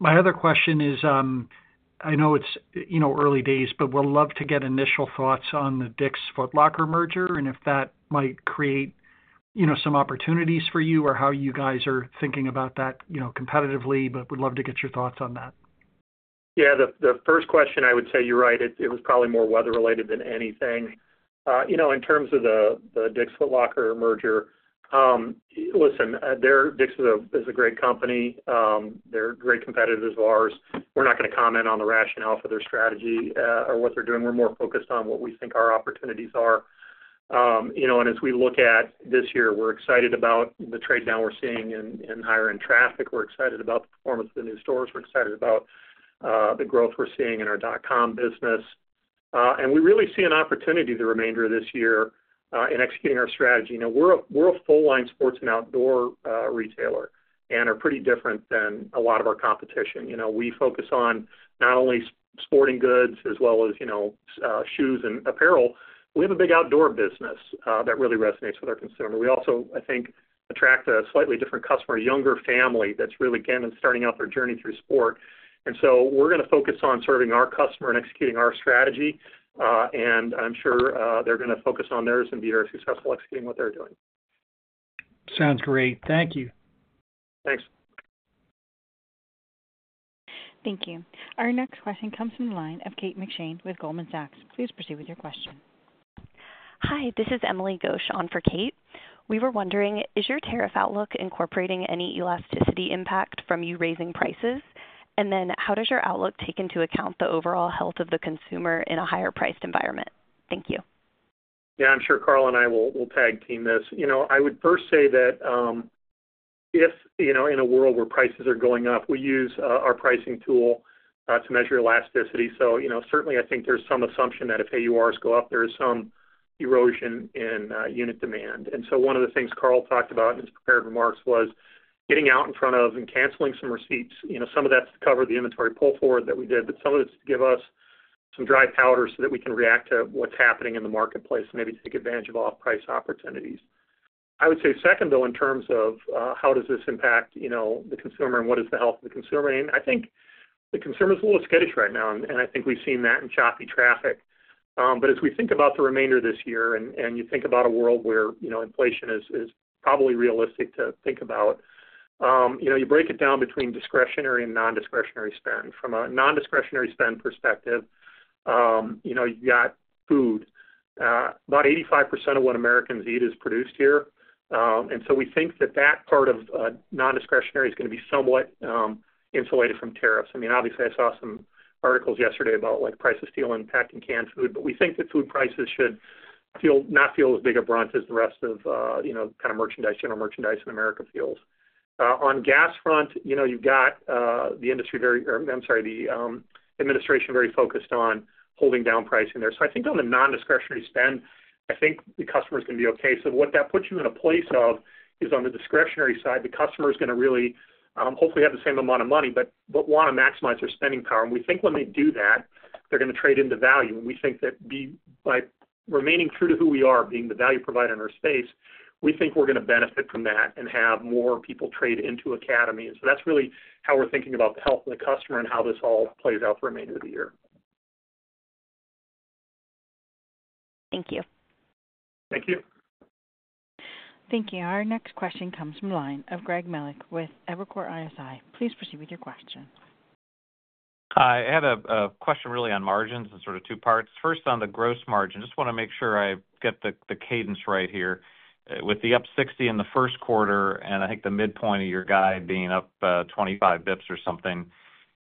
My other question is, I know it's early days, but we'd love to get initial thoughts on the Dick's Foot Locker merger and if that might create some opportunities for you or how you guys are thinking about that competitively, but we'd love to get your thoughts on that. Yeah. The first question, I would say you're right. It was probably more weather-related than anything. In terms of the Dick's Foot Locker merger, listen, Dick's is a great company. They're great competitors of ours. We're not going to comment on the rationale for their strategy or what they're doing. We're more focused on what we think our opportunities are. As we look at this year, we're excited about the trade down we're seeing in higher-end traffic. We're excited about the performance of the new stores. We're excited about the growth we're seeing in our dot-com business. We really see an opportunity the remainder of this year in executing our strategy. We're a full-line sports and outdoor retailer and are pretty different than a lot of our competition. We focus on not only sporting goods as well as shoes and apparel. We have a big outdoor business that really resonates with our consumer. We also, I think, attract a slightly different customer, a younger family that's really starting out their journey through sport. We are going to focus on serving our customer and executing our strategy. I'm sure they're going to focus on theirs and be very successful executing what they're doing. Sounds great. Thank you. Thanks. Thank you. Our next question comes from the line of Kate McShane with Goldman Sachs. Please proceed with your question. Hi, this is Emily Ghosh on for Kate. We were wondering, is your tariff outlook incorporating any elasticity impact from you raising prices? And then how does your outlook take into account the overall health of the consumer in a higher-priced environment? Thank you. Yeah, I'm sure Carl and I will tag team this. I would first say that if in a world where prices are going up, we use our pricing tool to measure elasticity. Certainly, I think there's some assumption that if AURs go up, there is some erosion in unit demand. One of the things Carl talked about in his prepared remarks was getting out in front of and canceling some receipts. Some of that's to cover the inventory pull forward that we did, but some of it's to give us some dry powder so that we can react to what's happening in the marketplace and maybe take advantage of off-price opportunities. I would say second, though, in terms of how does this impact the consumer and what is the health of the consumer? I think the consumer is a little skittish right now. I think we've seen that in choppy traffic. As we think about the remainder of this year and you think about a world where inflation is probably realistic to think about, you break it down between discretionary and non-discretionary spend. From a non-discretionary spend perspective, you've got food. About 85% of what Americans eat is produced here. We think that that part of non-discretionary is going to be somewhat insulated from tariffs. I mean, obviously, I saw some articles yesterday about prices still impacting packed and canned food, but we think that food prices should not feel as big a brunt as the rest of kind of general merchandise in America feels. On the gas front, you've got the industry—I'm sorry, the administration very focused on holding down pricing there. I think on the non-discretionary spend, I think the customer is going to be okay. What that puts you in a place of is on the discretionary side, the customer is going to really hopefully have the same amount of money, but want to maximize their spending power. We think when they do that, they're going to trade into value. We think that by remaining true to who we are, being the value provider in our space, we think we're going to benefit from that and have more people trade into Academy. That's really how we're thinking about the health of the customer and how this all plays out the remainder of the year. Thank you. Thank you. Thank you. Our next question comes from the line of Greg Melich with Evercore ISI. Please proceed with your question. Hi. I had a question really on margins in sort of two parts. First, on the gross margin, just want to make sure I get the cadence right here. With the up 60 in the first quarter and I think the midpoint of your guide being up 25 basis points or something,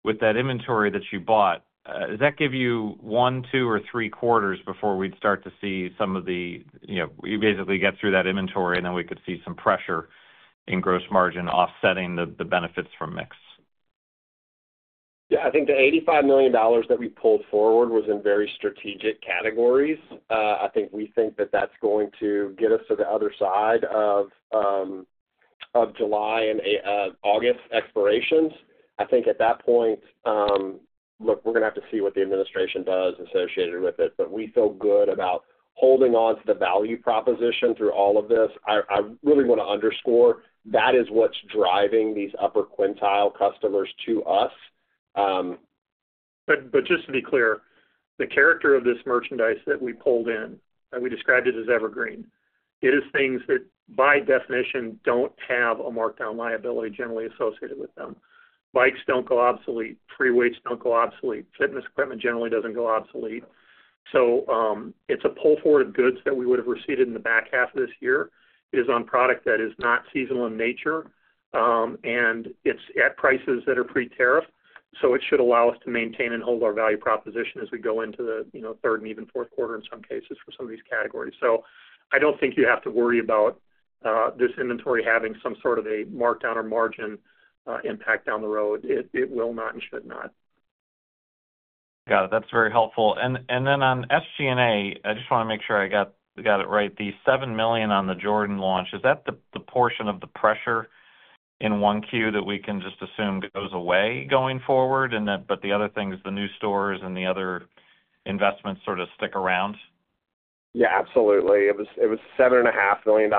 with that inventory that you bought, does that give you one, two, or three quarters before we'd start to see some of the—you basically get through that inventory and then we could see some pressure in gross margin offsetting the benefits from mix? Yeah. I think the $85 million that we pulled forward was in very strategic categories. I think we think that that's going to get us to the other side of July and August expirations. At that point, look, we're going to have to see what the administration does associated with it. We feel good about holding on to the value proposition through all of this. I really want to underscore that is what's driving these upper quintile customers to us. Just to be clear, the character of this merchandise that we pulled in, we described it as evergreen. It is things that by definition don't have a markdown liability generally associated with them. Bikes don't go obsolete. Free weights don't go obsolete. Fitness equipment generally doesn't go obsolete. It's a pull forward of goods that we would have received in the back half of this year. It is on product that is not seasonal in nature. It's at prices that are pre-tariff. It should allow us to maintain and hold our value proposition as we go into the third and even fourth quarter in some cases for some of these categories. I don't think you have to worry about this inventory having some sort of a markdown or margin impact down the road. It will not and should not. Got it. That's very helpful. On SG&A, I just want to make sure I got it right. The $7 million on the Jordan launch, is that the portion of the pressure in Q1 that we can just assume goes away going forward? The other thing is the new stores and the other investments sort of stick around? Yeah, absolutely. It was $7.5 million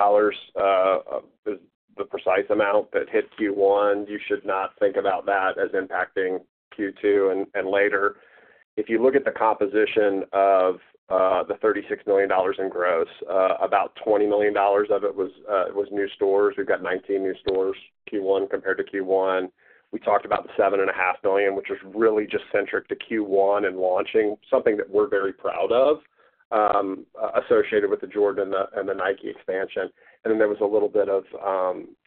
is the precise amount that hit Q1. You should not think about that as impacting Q2 and later. If you look at the composition of the $36 million in gross, about $20 million of it was new stores. We've got 19 new stores Q1 compared to Q1. We talked about the $7.5 million, which was really just centric to Q1 and launching, something that we're very proud of associated with the Jordan and the Nike expansion. There was a little bit of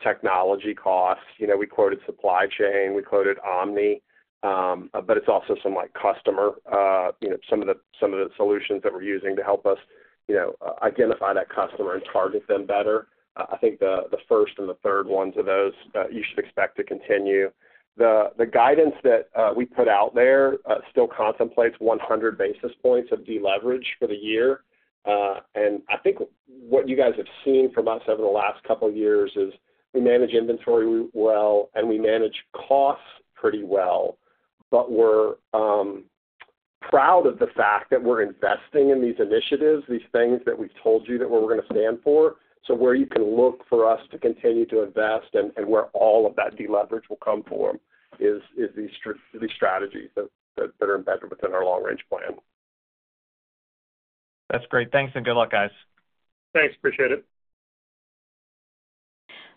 technology cost. We quoted Supply Chain. We quoted Omni. It is also some customer, some of the solutions that we're using to help us identify that customer and target them better. I think the first and the third ones of those, you should expect to continue. The guidance that we put out there still contemplates 100 basis points of deleverage for the year. I think what you guys have seen from us over the last couple of years is we manage inventory well, and we manage costs pretty well. We are proud of the fact that we are investing in these initiatives, these things that we have told you that we are going to stand for. Where you can look for us to continue to invest and where all of that deleverage will come from is these strategies that are embedded within our long-range plan. That's great. Thanks and good luck, guys. Thanks. Appreciate it.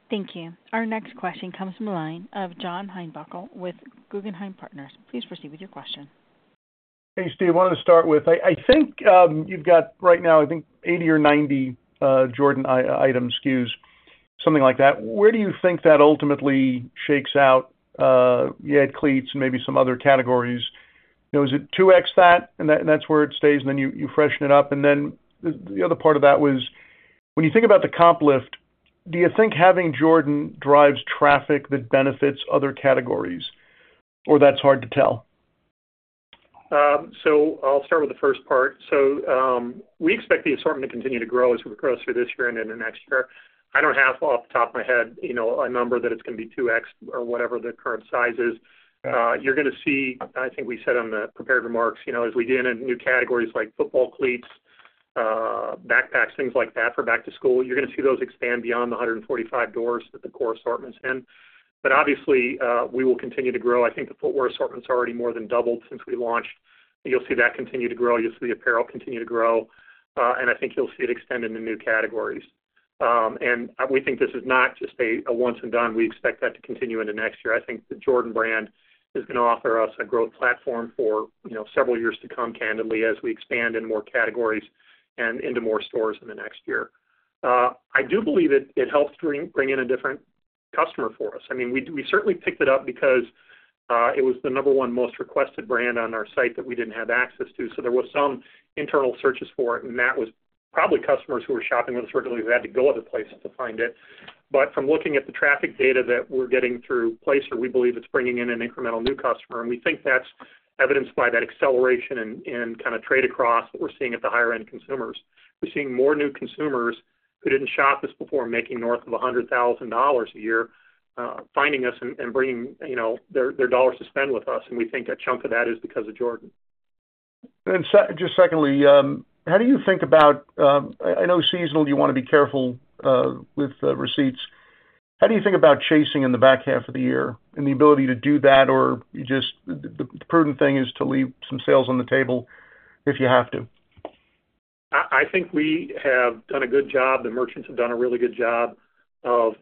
Thank you. Our next question comes from the line of John Heinbockel with Guggenheim Partners. Please proceed with your question. Hey, Steve. I wanted to start with, I think you've got right now, I think 80 or 90 Jordan item SKUs, something like that. Where do you think that ultimately shakes out? You had cleats and maybe some other categories. Is it 2X that? And that's where it stays, and then you freshen it up. The other part of that was, when you think about the comp lift, do you think having Jordan drives traffic that benefits other categories? Or that's hard to tell? I'll start with the first part. We expect the assortment to continue to grow as we progress through this year and into next year. I don't have off the top of my head a number that it's going to be 2X or whatever the current size is. You're going to see, I think we said on the prepared remarks, as we get into new categories like football cleats, backpacks, things like that for back to school, you're going to see those expand beyond the 145 doors that the core assortment's in. Obviously, we will continue to grow. I think the footwear assortment's already more than doubled since we launched. You'll see that continue to grow. You'll see the apparel continue to grow. I think you'll see it extend into new categories. We think this is not just a once and done. We expect that to continue into next year. I think the Jordan brand is going to offer us a growth platform for several years to come, candidly, as we expand into more categories and into more stores in the next year. I do believe it helps bring in a different customer for us. I mean, we certainly picked it up because it was the number one most requested brand on our site that we didn't have access to. There were some internal searches for it, and that was probably customers who were shopping with us regularly who had to go other places to find it. From looking at the traffic data that we're getting through Placer, we believe it's bringing in an incremental new customer. We think that's evidenced by that acceleration in kind of trade across that we're seeing at the higher-end consumers. We're seeing more new consumers who didn't shop this before making north of $100,000 a year, finding us and bringing their dollars to spend with us. We think a chunk of that is because of Jordan. Just secondly, how do you think about—I know seasonal, you want to be careful with receipts. How do you think about chasing in the back half of the year and the ability to do that, or just the prudent thing is to leave some sales on the table if you have to? I think we have done a good job. The merchants have done a really good job of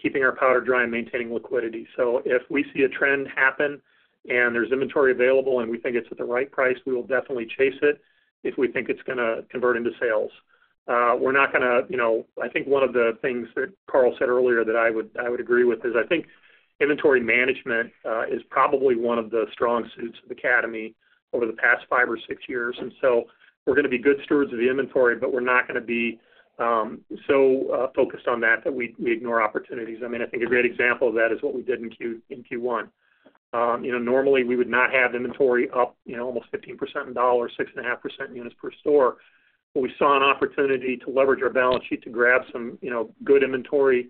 keeping our powder dry and maintaining liquidity. If we see a trend happen and there is inventory available and we think it is at the right price, we will definitely chase it if we think it is going to convert into sales. We are not going to—I think one of the things that Carl said earlier that I would agree with is I think inventory management is probably one of the strong suits of Academy over the past five or six years. We are going to be good stewards of the inventory, but we are not going to be so focused on that that we ignore opportunities. I mean, I think a great example of that is what we did in Q1. Normally, we would not have inventory up almost 15% in dollars, 6.5% units per store. We saw an opportunity to leverage our balance sheet to grab some good inventory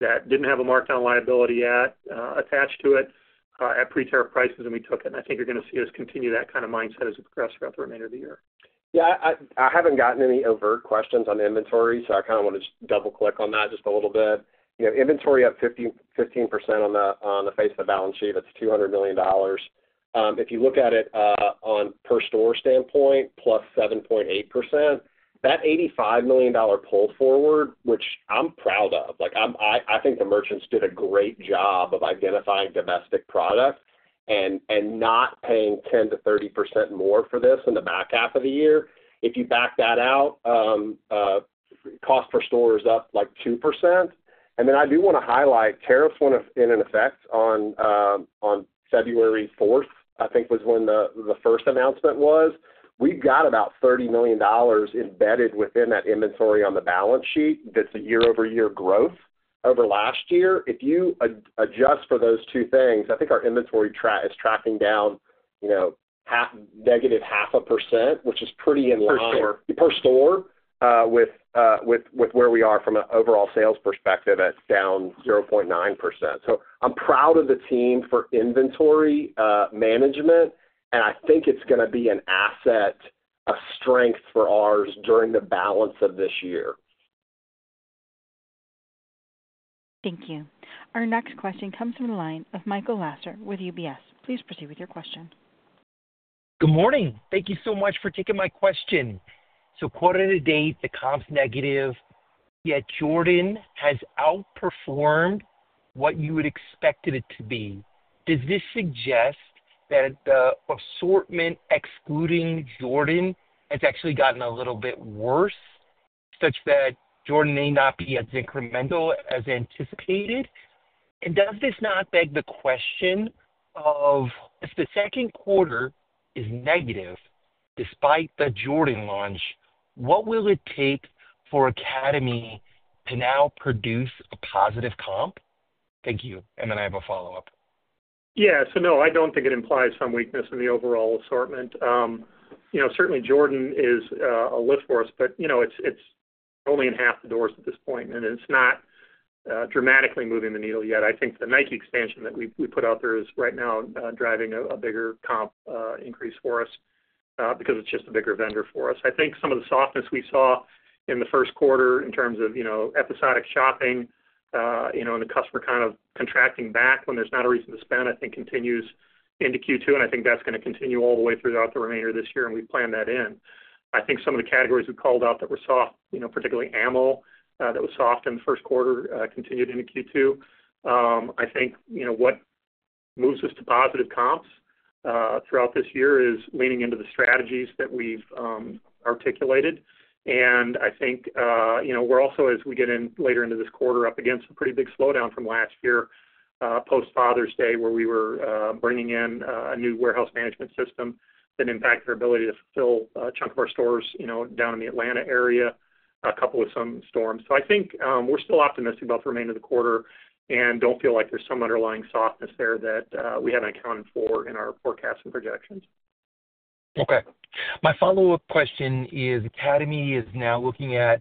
that did not have a markdown liability attached to it at pre-tail prices, and we took it. I think you are going to see us continue that kind of mindset as we progress throughout the remainder of the year. Yeah. I have not gotten any overt questions on inventory, so I kind of want to just double-click on that just a little bit. Inventory up 15% on the face of the balance sheet. That is $200 million. If you look at it on a per store standpoint, plus 7.8%, that $85 million pull forward, which I am proud of. I think the merchants did a great job of identifying domestic product and not paying 10%-30% more for this in the back half of the year. If you back that out, cost per store is up like 2%. I do want to highlight tariffs in effect on February 4, I think was when the first announcement was. We've got about $30 million embedded within that inventory on the balance sheet. That's a year-over-year growth over last year. If you adjust for those two things, I think our inventory is tracking down -0.5%, which is pretty in line. Per store. Per store with where we are from an overall sales perspective, that's down 0.9%. I'm proud of the team for inventory management, and I think it's going to be an asset, a strength for ours during the balance of this year. Thank you. Our next question comes from the line of Michael Lasser with UBS. Please proceed with your question. Good morning. Thank you so much for taking my question. So quarter to date, the comp's negative. Yet Jordan has outperformed what you had expected it to be? Does this suggest that the assortment excluding Jordan has actually gotten a little bit worse such that Jordan may not be as incremental as anticipated? Does this not beg the question of, if the second quarter is negative despite the Jordan launch, what will it take for Academy to now produce a positive comp? Thank you. I have a follow-up. Yeah. No, I don't think it implies some weakness in the overall assortment. Certainly, Jordan is a lift for us, but it's only in half the doors at this point, and it's not dramatically moving the needle yet. I think the Nike expansion that we put out there is right now driving a bigger comp increase for us because it's just a bigger vendor for us. I think some of the softness we saw in the first quarter in terms of episodic shopping and the customer kind of contracting back when there's not a reason to spend, I think continues into Q2, and I think that's going to continue all the way throughout the remainder of this year, and we plan that in. I think some of the categories we called out that were soft, particularly ammo, that was soft in the first quarter, continued into Q2. I think what moves us to positive comps throughout this year is leaning into the strategies that we've articulated. I think we're also, as we get in later into this quarter, up against a pretty big slowdown from last year post-Father's Day, where we were bringing in a new warehouse management system that impacted our ability to fulfill a chunk of our stores down in the Atlanta area, coupled with some storms. I think we're still optimistic about the remainder of the quarter and don't feel like there's some underlying softness there that we haven't accounted for in our forecasts and projections. Okay. My follow-up question is, Academy is now looking at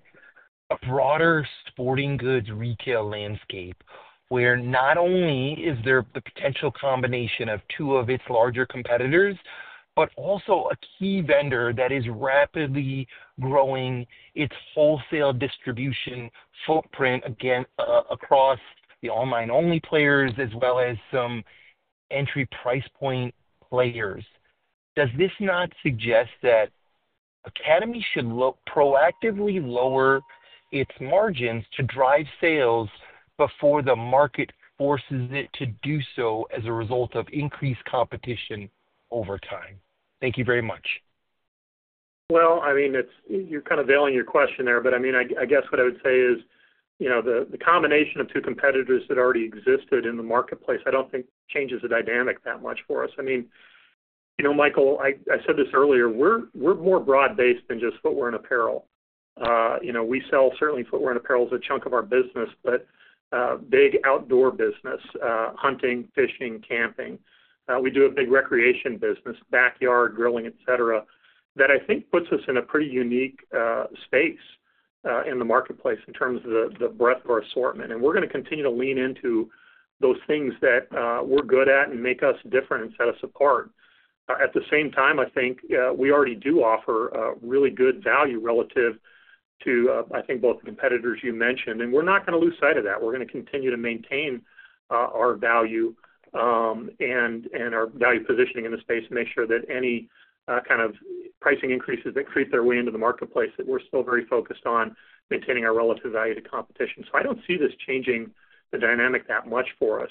a broader sporting goods retail landscape where not only is there the potential combination of two of its larger competitors, but also a key vendor that is rapidly growing its wholesale distribution footprint across the online-only players as well as some entry price point players. Does this not suggest that Academy should look proactively lower its margins to drive sales before the market forces it to do so as a result of increased competition over time? Thank you very much. I mean, you're kind of veiling your question there, but I mean, I guess what I would say is the combination of two competitors that already existed in the marketplace, I don't think changes the dynamic that much for us. I mean, Michael, I said this earlier, we're more broad-based than just footwear and apparel. We sell certainly footwear and apparel as a chunk of our business, but big outdoor business, hunting, fishing, camping. We do a big recreation business, backyard, grilling, etc., that I think puts us in a pretty unique space in the marketplace in terms of the breadth of our assortment. We're going to continue to lean into those things that we're good at and make us different and set us apart. At the same time, I think we already do offer really good value relative to, I think, both the competitors you mentioned. We're not going to lose sight of that. We're going to continue to maintain our value and our value positioning in the space and make sure that any kind of pricing increases that creep their way into the marketplace, that we're still very focused on maintaining our relative value to competition. I don't see this changing the dynamic that much for us.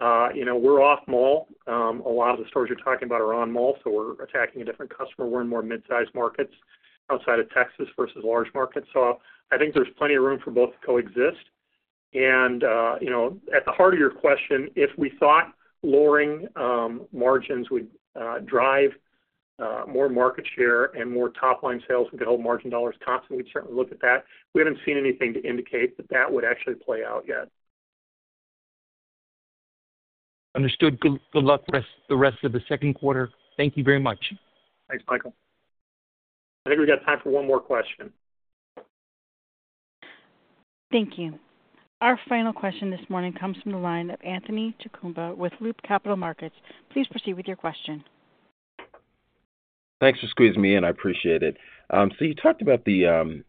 We're off-mall. A lot of the stores you're talking about are on-mall, so we're attacking a different customer. We're in more mid-size markets outside of Texas versus large markets. I think there's plenty of room for both to coexist. At the heart of your question, if we thought lowering margins would drive more market share and more top-line sales, we could hold margin dollars constantly, we'd certainly look at that. We haven't seen anything to indicate that that would actually play out yet. Understood. Good luck for the rest of the second quarter. Thank you very much. Thanks, Michael. I think we've got time for one more question. Thank you. Our final question this morning comes from the line of Anthony Chukumba with Loop Capital Markets. Please proceed with your question. Thanks for squeezing me in. I appreciate it. You talked about the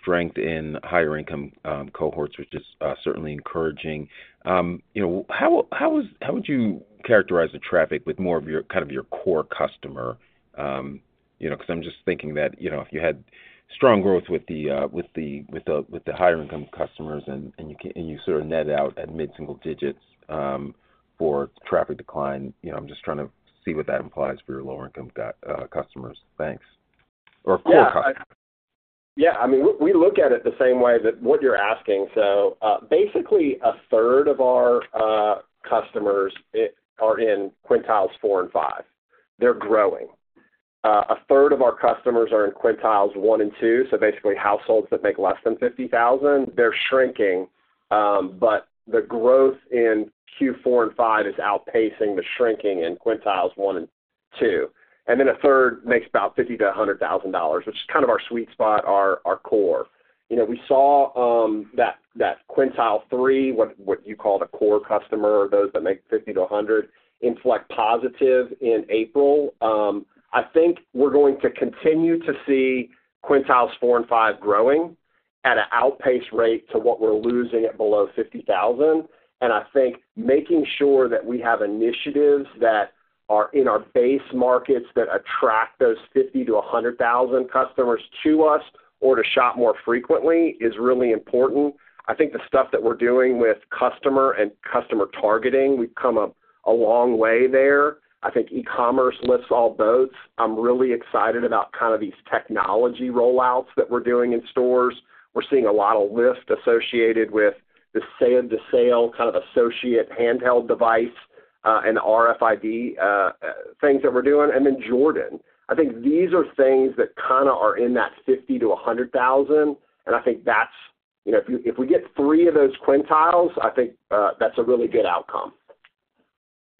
strength in higher-income cohorts, which is certainly encouraging. How would you characterize the traffic with more of your kind of your core customer? I'm just thinking that if you had strong growth with the higher-income customers and you sort of net out at mid-single digits for traffic decline, I'm just trying to see what that implies for your lower-income customers. Thanks. Or core customers. Yeah. I mean, we look at it the same way that what you're asking. So basically, a third of our customers are in quintiles four and five. They're growing. A third of our customers are in quintiles one and two. So basically, households that make less than $50,000, they're shrinking, but the growth in Q4 and 5 is outpacing the shrinking in quintiles one and two. A third makes about $50,000 to $100,000, which is kind of our sweet spot, our core. We saw that quintile three, what you call the core customer, those that make $50,000 to $100,000, inflect positive in April. I think we're going to continue to see quintiles four and five growing at an outpaced rate to what we're losing at below $50,000. I think making sure that we have initiatives that are in our base markets that attract those 50-100 thousand customers to us or to shop more frequently is really important. I think the stuff that we're doing with customer and customer targeting, we've come a long way there. I think e-commerce lifts all boats. I'm really excited about kind of these technology rollouts that we're doing in stores. We're seeing a lot of lift associated with the save-the-sale kind of associate handheld device and RFID things that we're doing. Then Jordan, I think these are things that kind of are in that 50-100 thousand. I think that's if we get three of those quintiles, that's a really good outcome.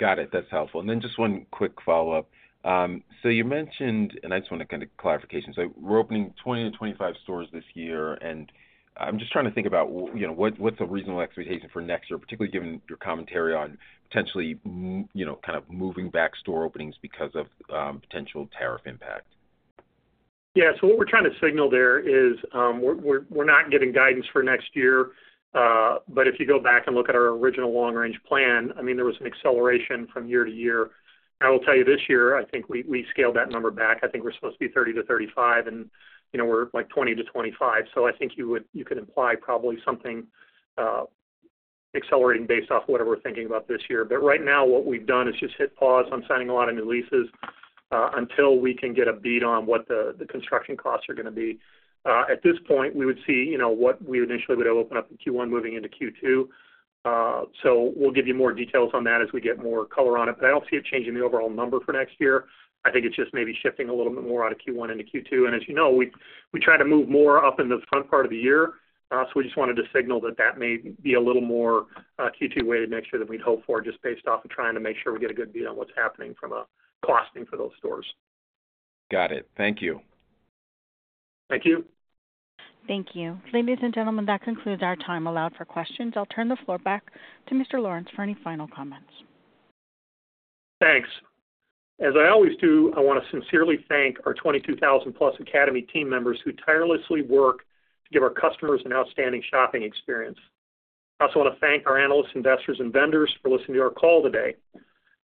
Got it. That's helpful. And then just one quick follow-up. You mentioned, and I just want to kind of clarification. We're opening 20-25 stores this year, and I'm just trying to think about what's a reasonable expectation for next year, particularly given your commentary on potentially kind of moving back store openings because of potential tariff impact. Yeah. So what we're trying to signal there is we're not giving guidance for next year, but if you go back and look at our original long-range plan, I mean, there was an acceleration from year to year. I will tell you this year, I think we scaled that number back. I think we're supposed to be 30-35, and we're like 20-25. So I think you could imply probably something accelerating based off whatever we're thinking about this year. Right now, what we've done is just hit pause. I'm signing a lot of new leases until we can get a beat on what the construction costs are going to be. At this point, we would see what we initially would open up in Q1 moving into Q2. We'll give you more details on that as we get more color on it, but I don't see it changing the overall number for next year. I think it's just maybe shifting a little bit more out of Q1 into Q2. As you know, we try to move more up in the front part of the year. We just wanted to signal that that may be a little more Q2-weighted next year than we'd hope for just based off of trying to make sure we get a good beat on what's happening from costing for those stores. Got it. Thank you. Thank you. Thank you. Ladies and gentlemen, that concludes our time allowed for questions. I'll turn the floor back to Mr. Lawrence for any final comments. Thanks. As I always do, I want to sincerely thank our 22,000-plus Academy team members who tirelessly work to give our customers an outstanding shopping experience. I also want to thank our analysts, investors, and vendors for listening to our call today.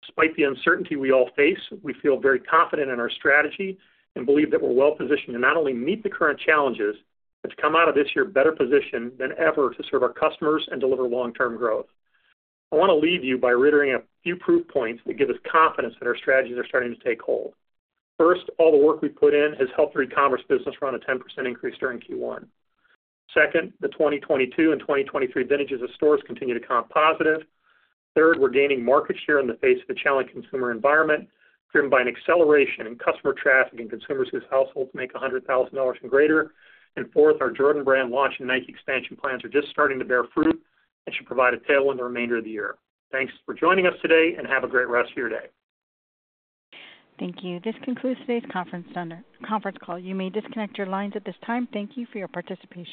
Despite the uncertainty we all face, we feel very confident in our strategy and believe that we're well-positioned to not only meet the current challenges, but to come out of this year in a better position than ever to serve our customers and deliver long-term growth. I want to leave you by reiterating a few proof points that give us confidence that our strategies are starting to take hold. First, all the work we've put in has helped the e-commerce business run a 10% increase during Q1. Second, the 2022 and 2023 vintages of stores continue to comp positive. Third, we're gaining market share in the face of the challenging consumer environment driven by an acceleration in customer traffic and consumers whose households make $100,000 and greater. Fourth, our Jordan brand launch and Nike expansion plans are just starting to bear fruit and should provide a tailwind the remainder of the year. Thanks for joining us today, and have a great rest of your day. Thank you. This concludes today's conference call. You may disconnect your lines at this time. Thank you for your participation.